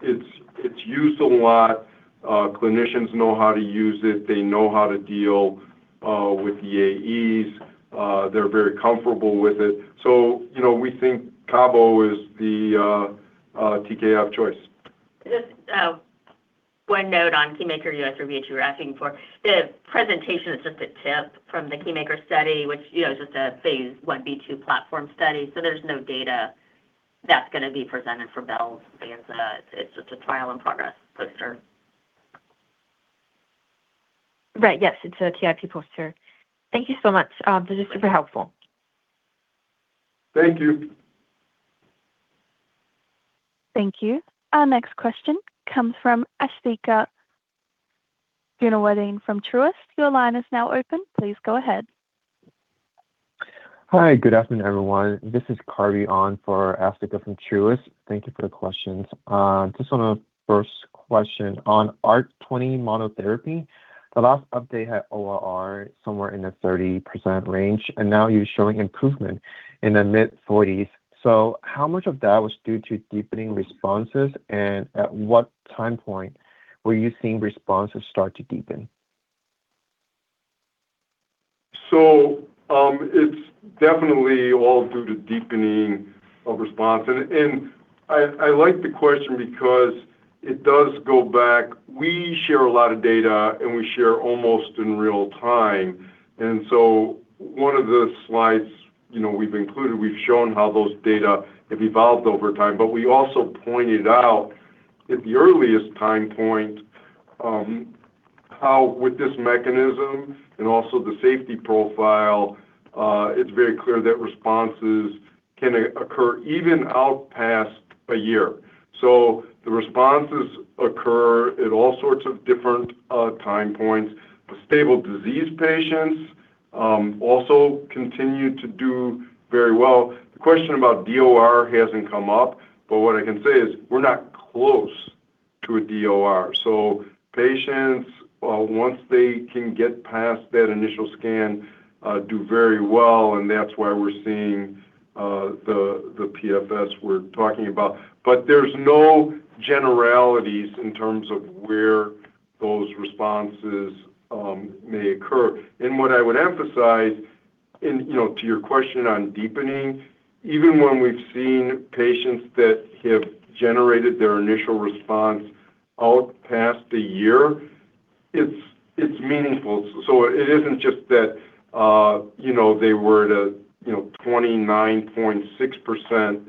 It's, it's used a lot. Clinicians know how to use it, they know how to deal with the AEs, they're very comfortable with it. You know, we think cabo is the TKI of choice. Just one note on KEYMAKER-U02 review that you were asking for. The presentation is just a TIP from the KEYMAKER-U02 study, which, you know, is just a Phase Ib/2 platform study. There's no data that's gonna be presented for belzutifan. It's just a trial in progress poster. Right, yes, it's a TIP poster. Thank you so much, this is super helpful. Thank you. Thank you. Our next question comes from Asthika Goonewardene from Truist. Your line is now open. Please go ahead. Hi, good afternoon, everyone. This is Karmi on for Asthika from Truist. Thank you for the questions. just on a first question on ARC-20 monotherapy, the last update had ORR somewhere in the 30% range, and now you're showing improvement in the mid-40s. How much of that was due to deepening responses, and at what time point were you seeing responses start to deepen? It's definitely all due to deepening of response. I like the question because it does go back. We share a lot of data, and we share almost in real time, and so one of the slides, you know, we've included, we've shown how those data have evolved over time. We also pointed out at the earliest time point, how with this mechanism and also the safety profile, it's very clear that responses can occur even out past a year. The responses occur at all sorts of different time points. The stable disease patients also continue to do very well. The question about DOR hasn't come up, but what I can say is we're not close to a DOR. Patients, once they can get past that initial scan, do very well, and that's why we're seeing the PFS we're talking about, but there's no generalities in terms of where those responses may occur. What I would emphasize and, you know, to your question on deepening, even when we've seen patients that have generated their initial response out past a year, it's meaningful. It isn't just that, you know, they were at a, you know, 29.6%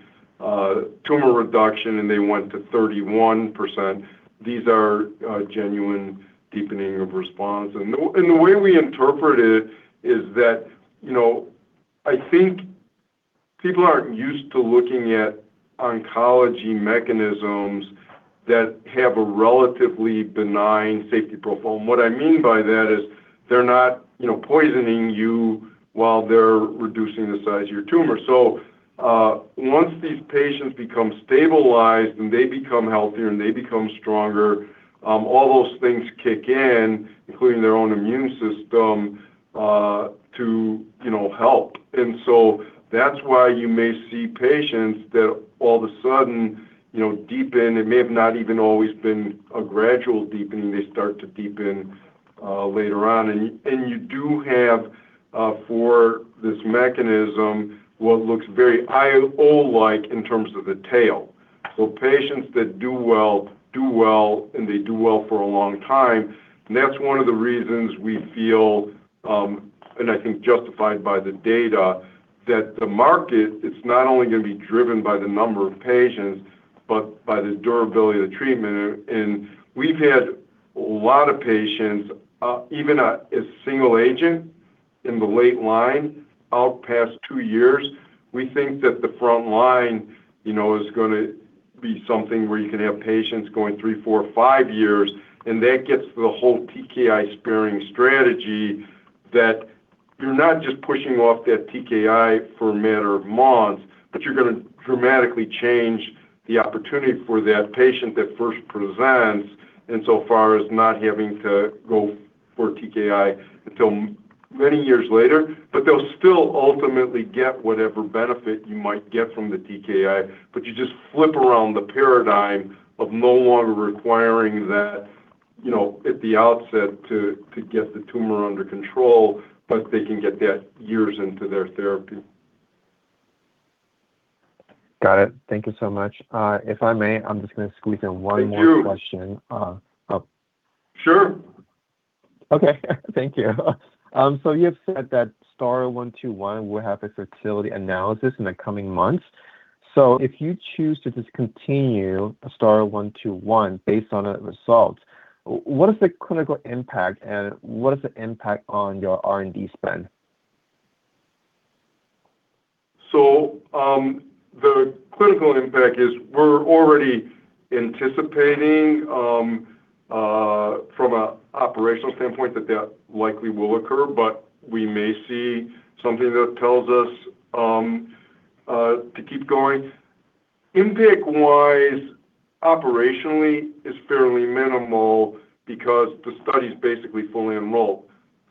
tumor reduction, and they went to 31%. These are genuine deepening of response. The way we interpret it is that, you know, I think people aren't used to looking at oncology mechanisms that have a relatively benign safety profile. What I mean by that is they're not, you know, poisoning you while they're reducing the size of your tumor. Once these patients become stabilized and they become healthier and they become stronger, all those things kick in, including their own immune system, to, you know, help. That's why you may see patients that all of a sudden, you know, deepen. It may have not even always been a gradual deepening. They start to deepen later on. You do have for this mechanism, what looks very IO-like in terms of the tail. Patients that do well, do well, and they do well for a long time. That's one of the reasons we feel, and I think justified by the data, that the market, it's not only going to be driven by the number of patients, but by the durability of the treatment. We've had a lot of patients, even a single agent in the late line, out past two years. We think that the front line, you know, is going to be something where you can have patients going three, four, five years, and that gets to the whole TKI sparing strategy. You're not just pushing off that TKI for a matter of months, but you're going to dramatically change the opportunity for that patient that first presents insofar as not having to go for TKI until many years later. They'll still ultimately get whatever benefit you might get from the TKI, but you just flip around the paradigm of no longer requiring that, you know, at the outset to get the tumor under control, but they can get that years into their therapy. Got it. Thank you so much. If I may, I'm just going to squeeze in one more- Thank you. -question, oh. Sure. Okay, thank you. You have said that STAR-121 will have a fertility analysis in the coming months. If you choose to discontinue STAR-121 based on the results, what is the clinical impact, and what is the impact on your R&D spend? The clinical impact is we're already anticipating from an operational standpoint, that that likely will occur. We may see something that tells us to keep going. Impact-wise, operationally is fairly minimal because the study is basically fully enrolled.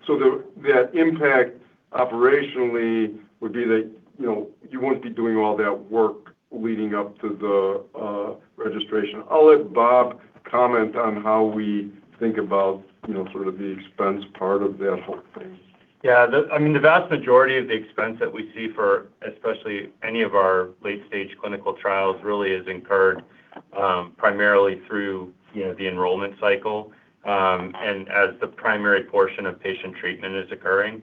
That impact operationally would be that, you know, you won't be doing all that work leading up to the registration. I'll let Bob comment on how we think about, you know, sort of the expense part of that whole thing. I mean, the vast majority of the expense that we see for, especially any of our late-stage clinical trials, really is incurred, primarily through, you know, the enrollment cycle, and as the primary portion of patient treatment is occurring.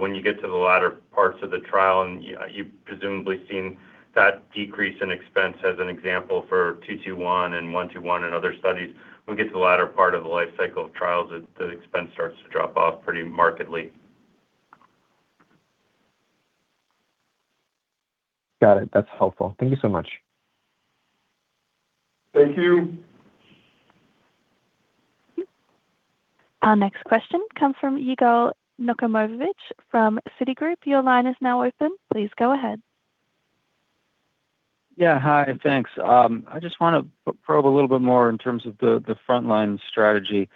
When you get to the latter parts of the trial and you've presumably seen that decrease in expense as an example for STAR-221 and STAR-121 and other studies, when we get to the latter part of the life cycle of trials, the expense starts to drop off pretty markedly. Got it. That's helpful. Thank you so much. Thank you. Our next question comes from Yigal Nochomovitz from Citigroup. Your line is now open. Please go ahead. Yeah, hi. Thanks. I just want to probe a little bit more in terms of the frontline strategy.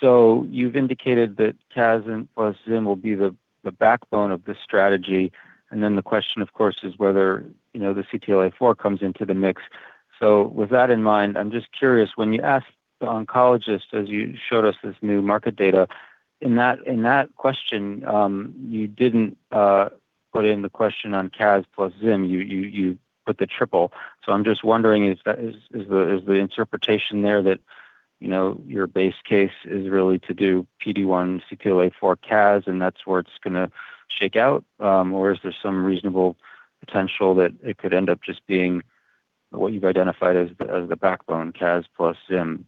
You've indicated that casdatifan plus Zim will be the backbone of this strategy, and then the question, of course, is whether, you know, the CTLA-4 comes into the mix. With that in mind, I'm just curious, when you asked the oncologist, as you showed us this new market data, in that, in that question, you didn't put in the question on casdatifan plus Zim, you put the triple. I'm just wondering, is that, is the interpretation there that, you know, your base case is really to do PD-1 CTLA-4 casdatifan, and that's where it's gonna shake out? Is there some reasonable potential that it could end up just being what you've identified as the backbone, casdatifan plus Zim?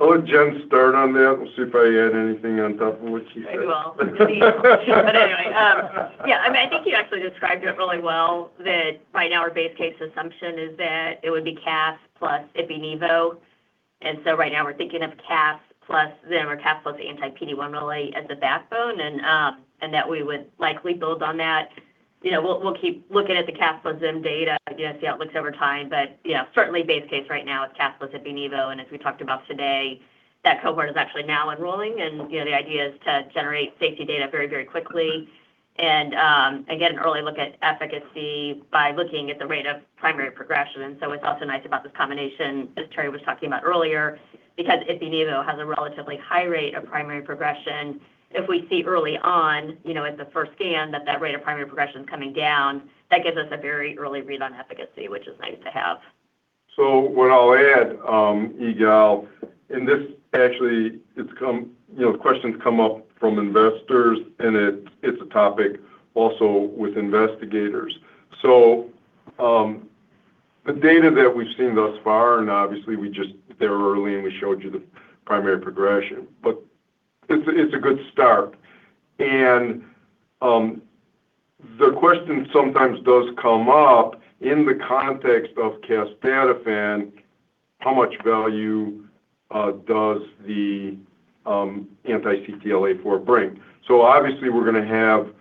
I'll let Jen start on that and see if I add anything on top of what she says. I will. Anyway, I mean, I think you actually described it really well, that right now our base case assumption is that it would be casdatifan plus Ipi/Nivo. Right now, we're thinking of casdatifan plus Zim or casdatifan plus anti-PD-1/LA as the backbone, and that we would likely build on that. We'll keep looking at the casdatifan plus Zim data, again, see how it looks over time. Yeah, certainly base case right now is casdatifan plus Ipi/Nivo, and as we talked about today, that cohort is actually now enrolling. The idea is to generate safety data very, very quickly and, again, an early look at efficacy by looking at the rate of primary progression. What's also nice about this combination, as Terry was talking about earlier, because Ipi/Nivo has a relatively high rate of primary progression, if we see early on, you know, at the first scan, that rate of primary progression is coming down, that gives us a very early read on efficacy, which is nice to have. What I'll add, Yigal, and this actually, you know, the question's come up from investors, and it's a topic also with investigators. The data that we've seen thus far, and obviously we just they're early, and we showed you the primary progression, but it's a, it's a good start. The question sometimes does come up in the context of casdatifan, how much value does the anti-CTLA-4 bring? Obviously, we're gonna have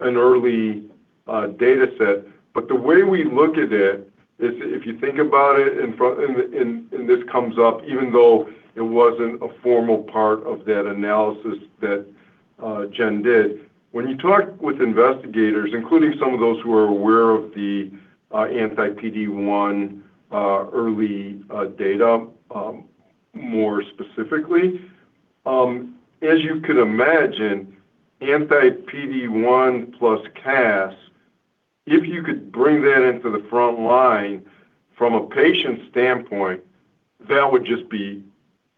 an early data set, but the way we look at it is if you think about it, and this comes up, even though it wasn't a formal part of that analysis that Jen did. When you talk with investigators, including some of those who are aware of the anti-PD-1 early data, more specifically, as you could imagine, anti-PD-1 plus casdatifan, if you could bring that into the frontline from a patient standpoint, that would just be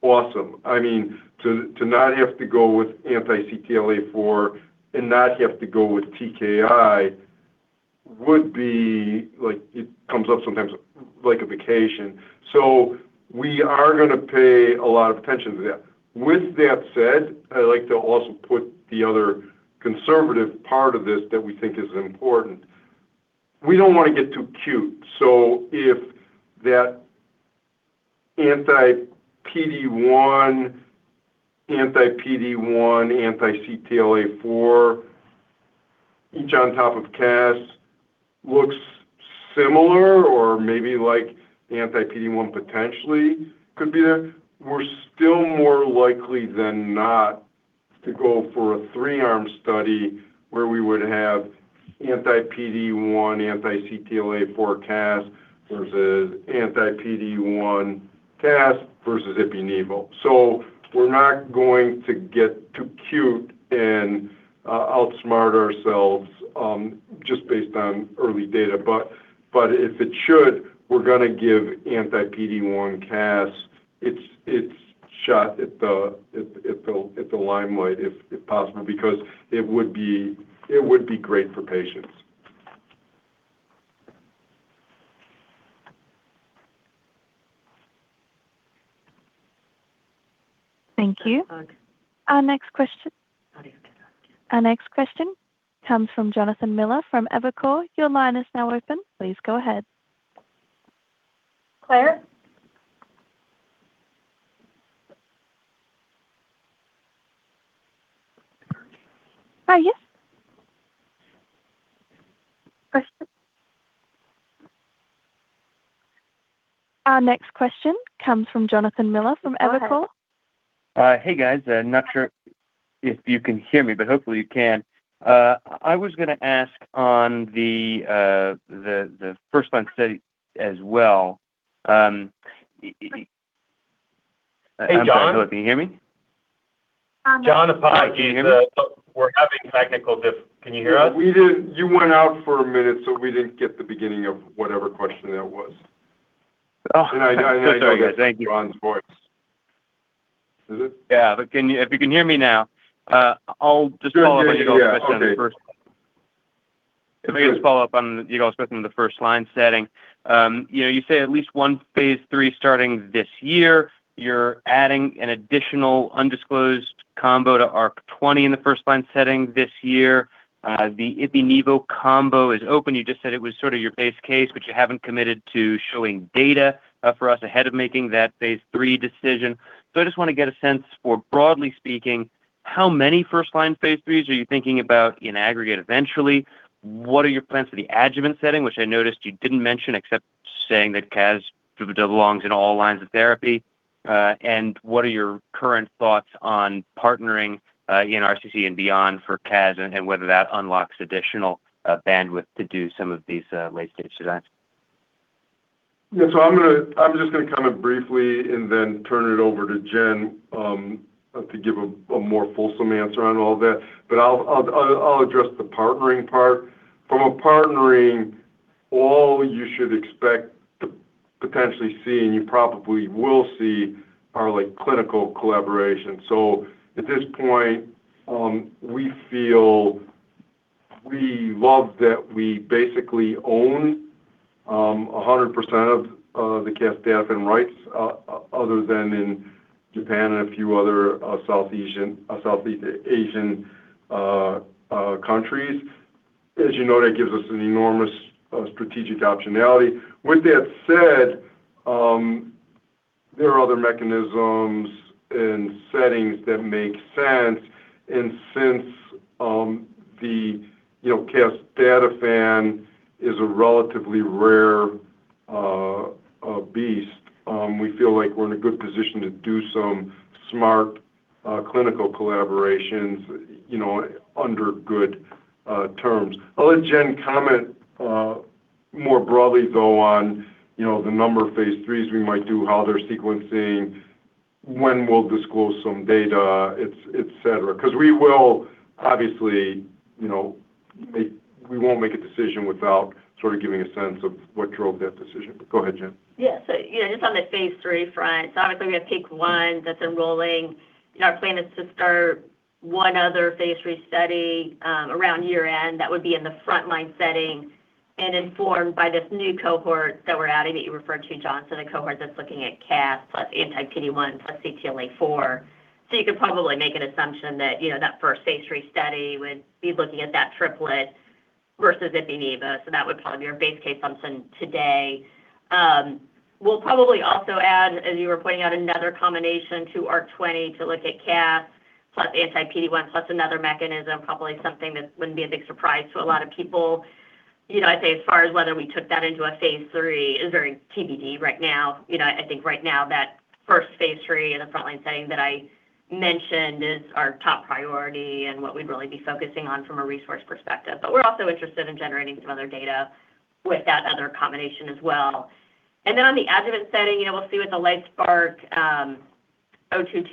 awesome. I mean, to not have to go with anti-CTLA-4 and not have to go with TKI would be like, it comes up sometimes like a vacation. We are gonna pay a lot of attention to that. With that said, I'd like to also put the other conservative part of this that we think is important. We don't want to get too cute. If that anti-PD-1, anti-CTLA-4, each on top of casdatifan looks similar or maybe like the anti-PD-1 potentially could be there, we're still more likely than not to go for a three-arm study where we would have anti-PD-1, anti-CTLA-4 casdatifan versus anti-PD-1 casdatifan versus Ipi/Nivo. We're not going to get too cute and outsmart ourselves, just based on early data. If it should, we're going to give anti-PD-1 casdatifan its shot at the limelight, if possible, because it would be great for patients. Thank you. Our next question comes from Jonathan Miller from Evercore. Your line is now open. Please go ahead. Claire? Hi. Yes. Question. Our next question comes from Jonathan Miller from Evercore. Hey, guys. I'm not sure if you can hear me, but hopefully you can. I was going to ask on the, the first line study as well. Hey, John. Can you hear me? Uh- John, apologies. We're having technical diff--. Can you hear us? You went out for a minute, we didn't get the beginning of whatever question that was. Oh, thank you. John's voice. Is it? Yeah. If you can hear me now, I'll just follow up on your question on the first- Yeah. Okay. Let me just follow up on you guys' question on the first-line setting. you know, you say at least 1 Phase III starting this year. You're adding an additional undisclosed combo to ARC-20 in the first-line setting this year. The Ipi/Nivo combo is open. You just said it was sort of your base case, but you haven't committed to showing data for us ahead of making that Phase III decision. I just want to get a sense for, broadly speaking, how many first-line Phase III are you thinking about in aggregate eventually? What are your plans for the adjuvant setting, which I noticed you didn't mention, except saying that casdatifan belongs in all lines of therapy. What are your current thoughts on partnering, in RCC and beyond for casdatifan, and whether that unlocks additional bandwidth to do some of these late-stage designs? ng to kind of briefly and then turn it over to Jen to give a more fulsome answer on all that. I'll address the partnering part. From a partnering, all you should expect to potentially see, and you probably will see, are like clinical collaboration. At this point, we feel we love that we basically own a 100% of the casdatifan rights other than in Japan and a few other Southeast Asian countries. As you know, that gives us an enormous strategic optionality. With that said, there are other mechanisms and settings that make sense, and since, the, you know, casdatifan is a relatively rare beast, we feel like we're in a good position to do some smart clinical collaborations, you know, under good terms. I'll let Jen comment more broadly, though, on, you know, the number of Phase III we might do, how they're sequencing, when we'll disclose some data, ets, et cetera. We won't make a decision without sort of giving a sense of what drove that decision. Go ahead, Jen. Yeah. You know, just on the Phase III front, obviously, we have PEAK-1 that's enrolling. Our plan is to start one other Phase III study, around year-end. That would be in the frontline setting and informed by this new cohort that we're adding, that you referred to, John, the cohort that's looking at casdatifan plus anti-PD-1, plus CTLA-4. You could probably make an assumption that, you know, that first Phase III study would be looking at that triplet versus Ipi/Nivo. That would probably be our base case assumption today. We'll probably also add, as you were pointing out, another combination to ARC-20, to look at casdatifan plus anti-PD-1, plus another mechanism, probably something that wouldn't be a big surprise to a lot of people. You know, I'd say as far as whether we took that into a phase III is very TBD right now. You know, I think right now, that first phase III in the frontline setting that I mentioned is our top priority and what we'd really be focusing on from a resource perspective. We're also interested in generating some other data with that other combination as well. On the adjuvant setting, we'll see what the LITESPARK-022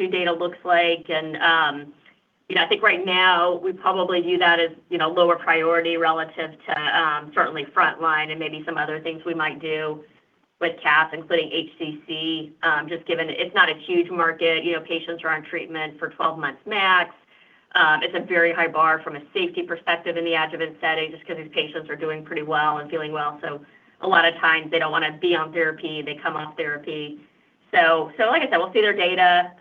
data looks like. I think right now we probably view that as, you know, lower priority relative to certainly frontline and maybe some other things we might do with casdatifan, including HCC, just given it's not a huge market. You know, patients are on treatment for 12 months max. It's a very high bar from a safety perspective in the adjuvant setting, just because these patients are doing pretty well and feeling well. A lot of times they don't want to be on therapy, they come off therapy. Like I said, we'll see their data.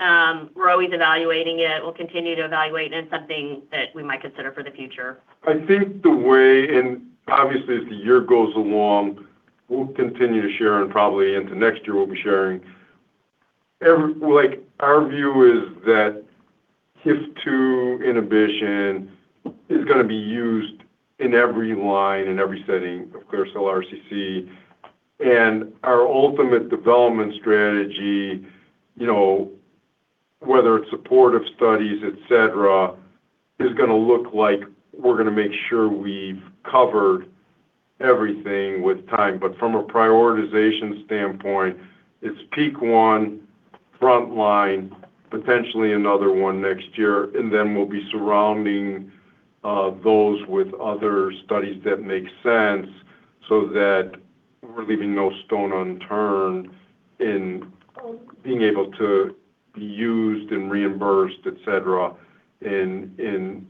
We're always evaluating it. We'll continue to evaluate, and it's something that we might consider for the future. I think the way, and obviously, as the year goes along, we'll continue to share and probably into next year, we'll be sharing. Like, our view is that HIF-2 inhibition is gonna be used in every line, in every setting of clear cell RCC. Our ultimate development strategy, you know, whether it's supportive studies, etc., is gonna look like we're gonna make sure we've covered everything with time. From a prioritization standpoint, it's PEAK-1, frontline, potentially another one next year, then we'll be surrounding those with other studies that make sense so that we're leaving no stone unturned in being able to be used and reimbursed, etc., in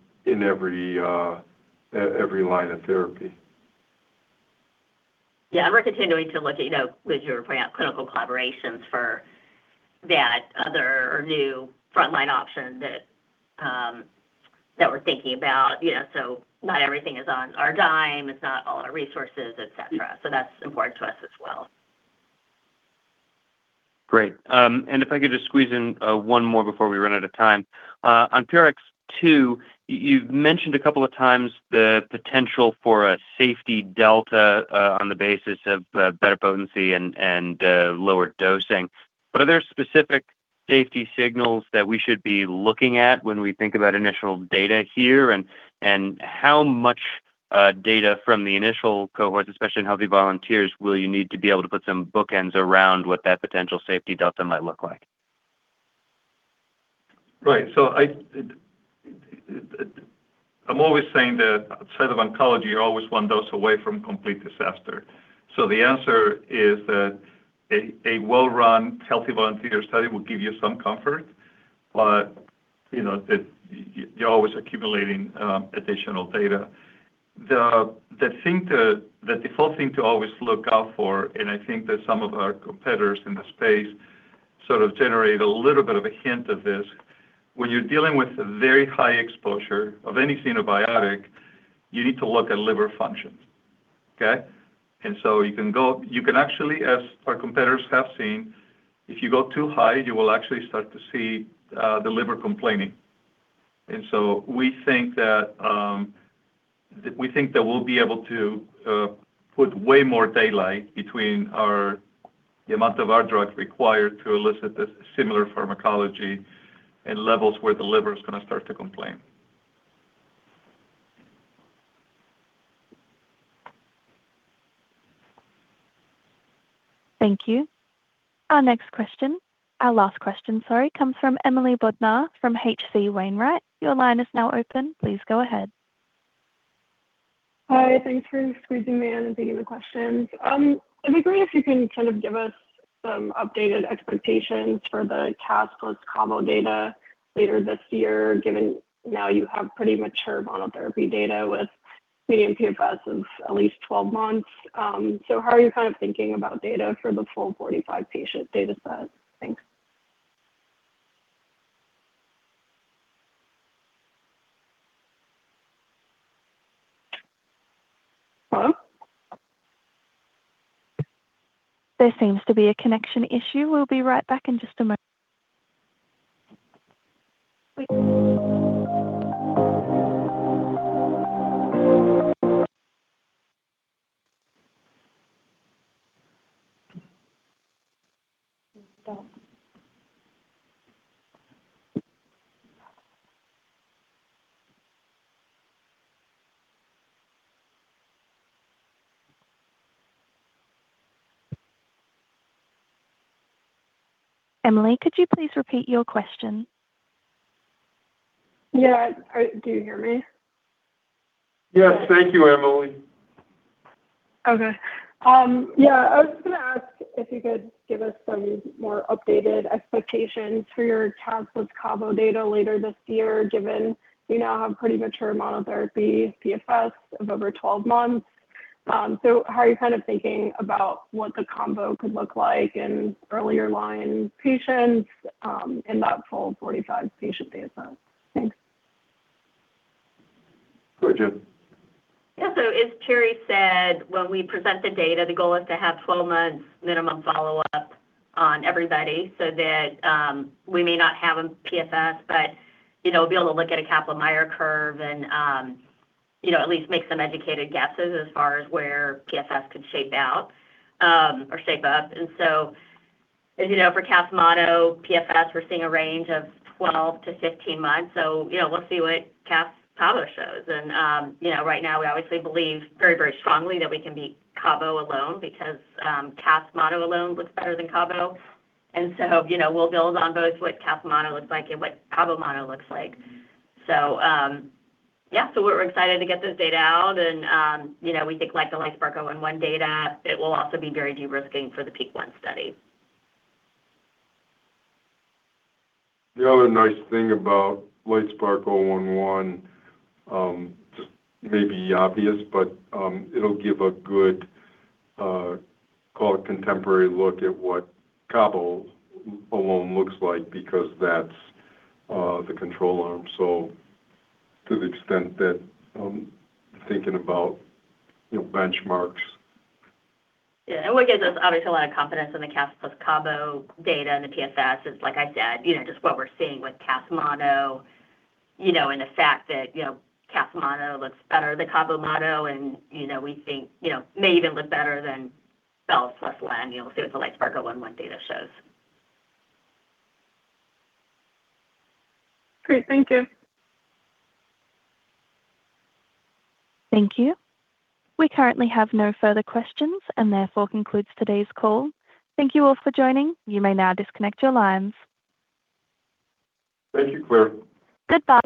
every line of therapy. Yeah, we're continuing to look at, you know, as you were pointing out, clinical collaborations for that other new frontline option that we're thinking about. You know, not everything is on our dime, it's not all our resources, etc. That's important to us as well. Great. If I could just squeeze in one more before we run out of time. On MRGPRX2, you've mentioned a couple of times the potential for a safety delta on the basis of better potency and lower dosing. Are there specific safety signals that we should be looking at when we think about initial data here? How much data from the initial cohorts, especially in healthy volunteers, will you need to be able to put some bookends around what that potential safety delta might look like? Right. I'm always saying that outside of oncology, you're always one dose away from complete disaster. The answer is that a well-run, healthy volunteer study will give you some comfort, but, you know, you're always accumulating additional data. The default thing to always look out for, and I think that some of our competitors in the space sort of generate a little bit of a hint of this, when you're dealing with a very high exposure of any xenobiotic, you need to look at liver function, okay? You can actually, as our competitors have seen, if you go too high, you will actually start to see the liver complaining. We think that we'll be able to put way more daylight between our, the amount of our drug required to elicit this similar pharmacology and levels where the liver is gonna start to complain. Thank you. Our next question, our last question, sorry, comes from Emily Bodnar, from H.C. Wainwright. Your line is now open. Please go ahead. Hi, thanks for squeezing me in and taking the questions. It'd be great if you can kind of give us some updated expectations for the casdatifan plus combo data later this year, given now you have pretty mature monotherapy data with median PFS of at least 12 months. How are you kind of thinking about data for the full 45 patient data set? Thanks. Hello? There seems to be a connection issue. We'll be right back in just a moment. Emily, could you please repeat your question? Yeah, do you hear me? Yes. Thank you, Emily. Okay. Yeah, I was gonna ask if you could give us some more updated expectations for your casdatifan plus combo data later this year, given you now have pretty mature monotherapy PFS of over 12 months. How are you kind of thinking about what the combo could look like in earlier line patients in that full 45 patient data set? Thanks. Go ahead, Jen. Yeah. As Terry Rosen said, when we present the data, the goal is to have 12 months minimum follow-up on everybody so that, we may not have a PFS, but, you know, be able to look at a Kaplan-Meier curve and, you know, at least make some educated guesses as far as where PFS could shape out or shape up. As you know, for CAS mono PFS, we're seeing a range of 12-15 months. You know, we'll see what CAS combo shows. You know, right now, we obviously believe very, very strongly that we can beat combo alone because, CAS mono alone looks better than combo. You know, we'll build on both what CAS mono looks like and what combo mono looks like. Yeah, so we're excited to get this data out and, you know, we think like the LITESPARK-011 data, it will also be very de-risking for the PEAK-1 study. The other nice thing about LITESPARK-011, just may be obvious, but it'll give a good, call it contemporary look at what combo alone looks like because that's the control arm. To the extent that I'm thinking about, you know, benchmarks. Yeah, and what gives us obviously a lot of confidence in the casdatifan plus combo data and the PFS is, like I said, you know, just what we're seeing with casdatifan mono, you know, and the fact that, you know, casdatifan mono looks better than combo mono, and, you know, we think, you know, may even look better than belzutifan plus lenvatinib. We'll see what the LITESPARK-011 data shows. Great. Thank you. Thank you. We currently have no further questions, and therefore, concludes today's call. Thank you all for joining. You may now disconnect your lines. Thank you, Claire. Goodbye.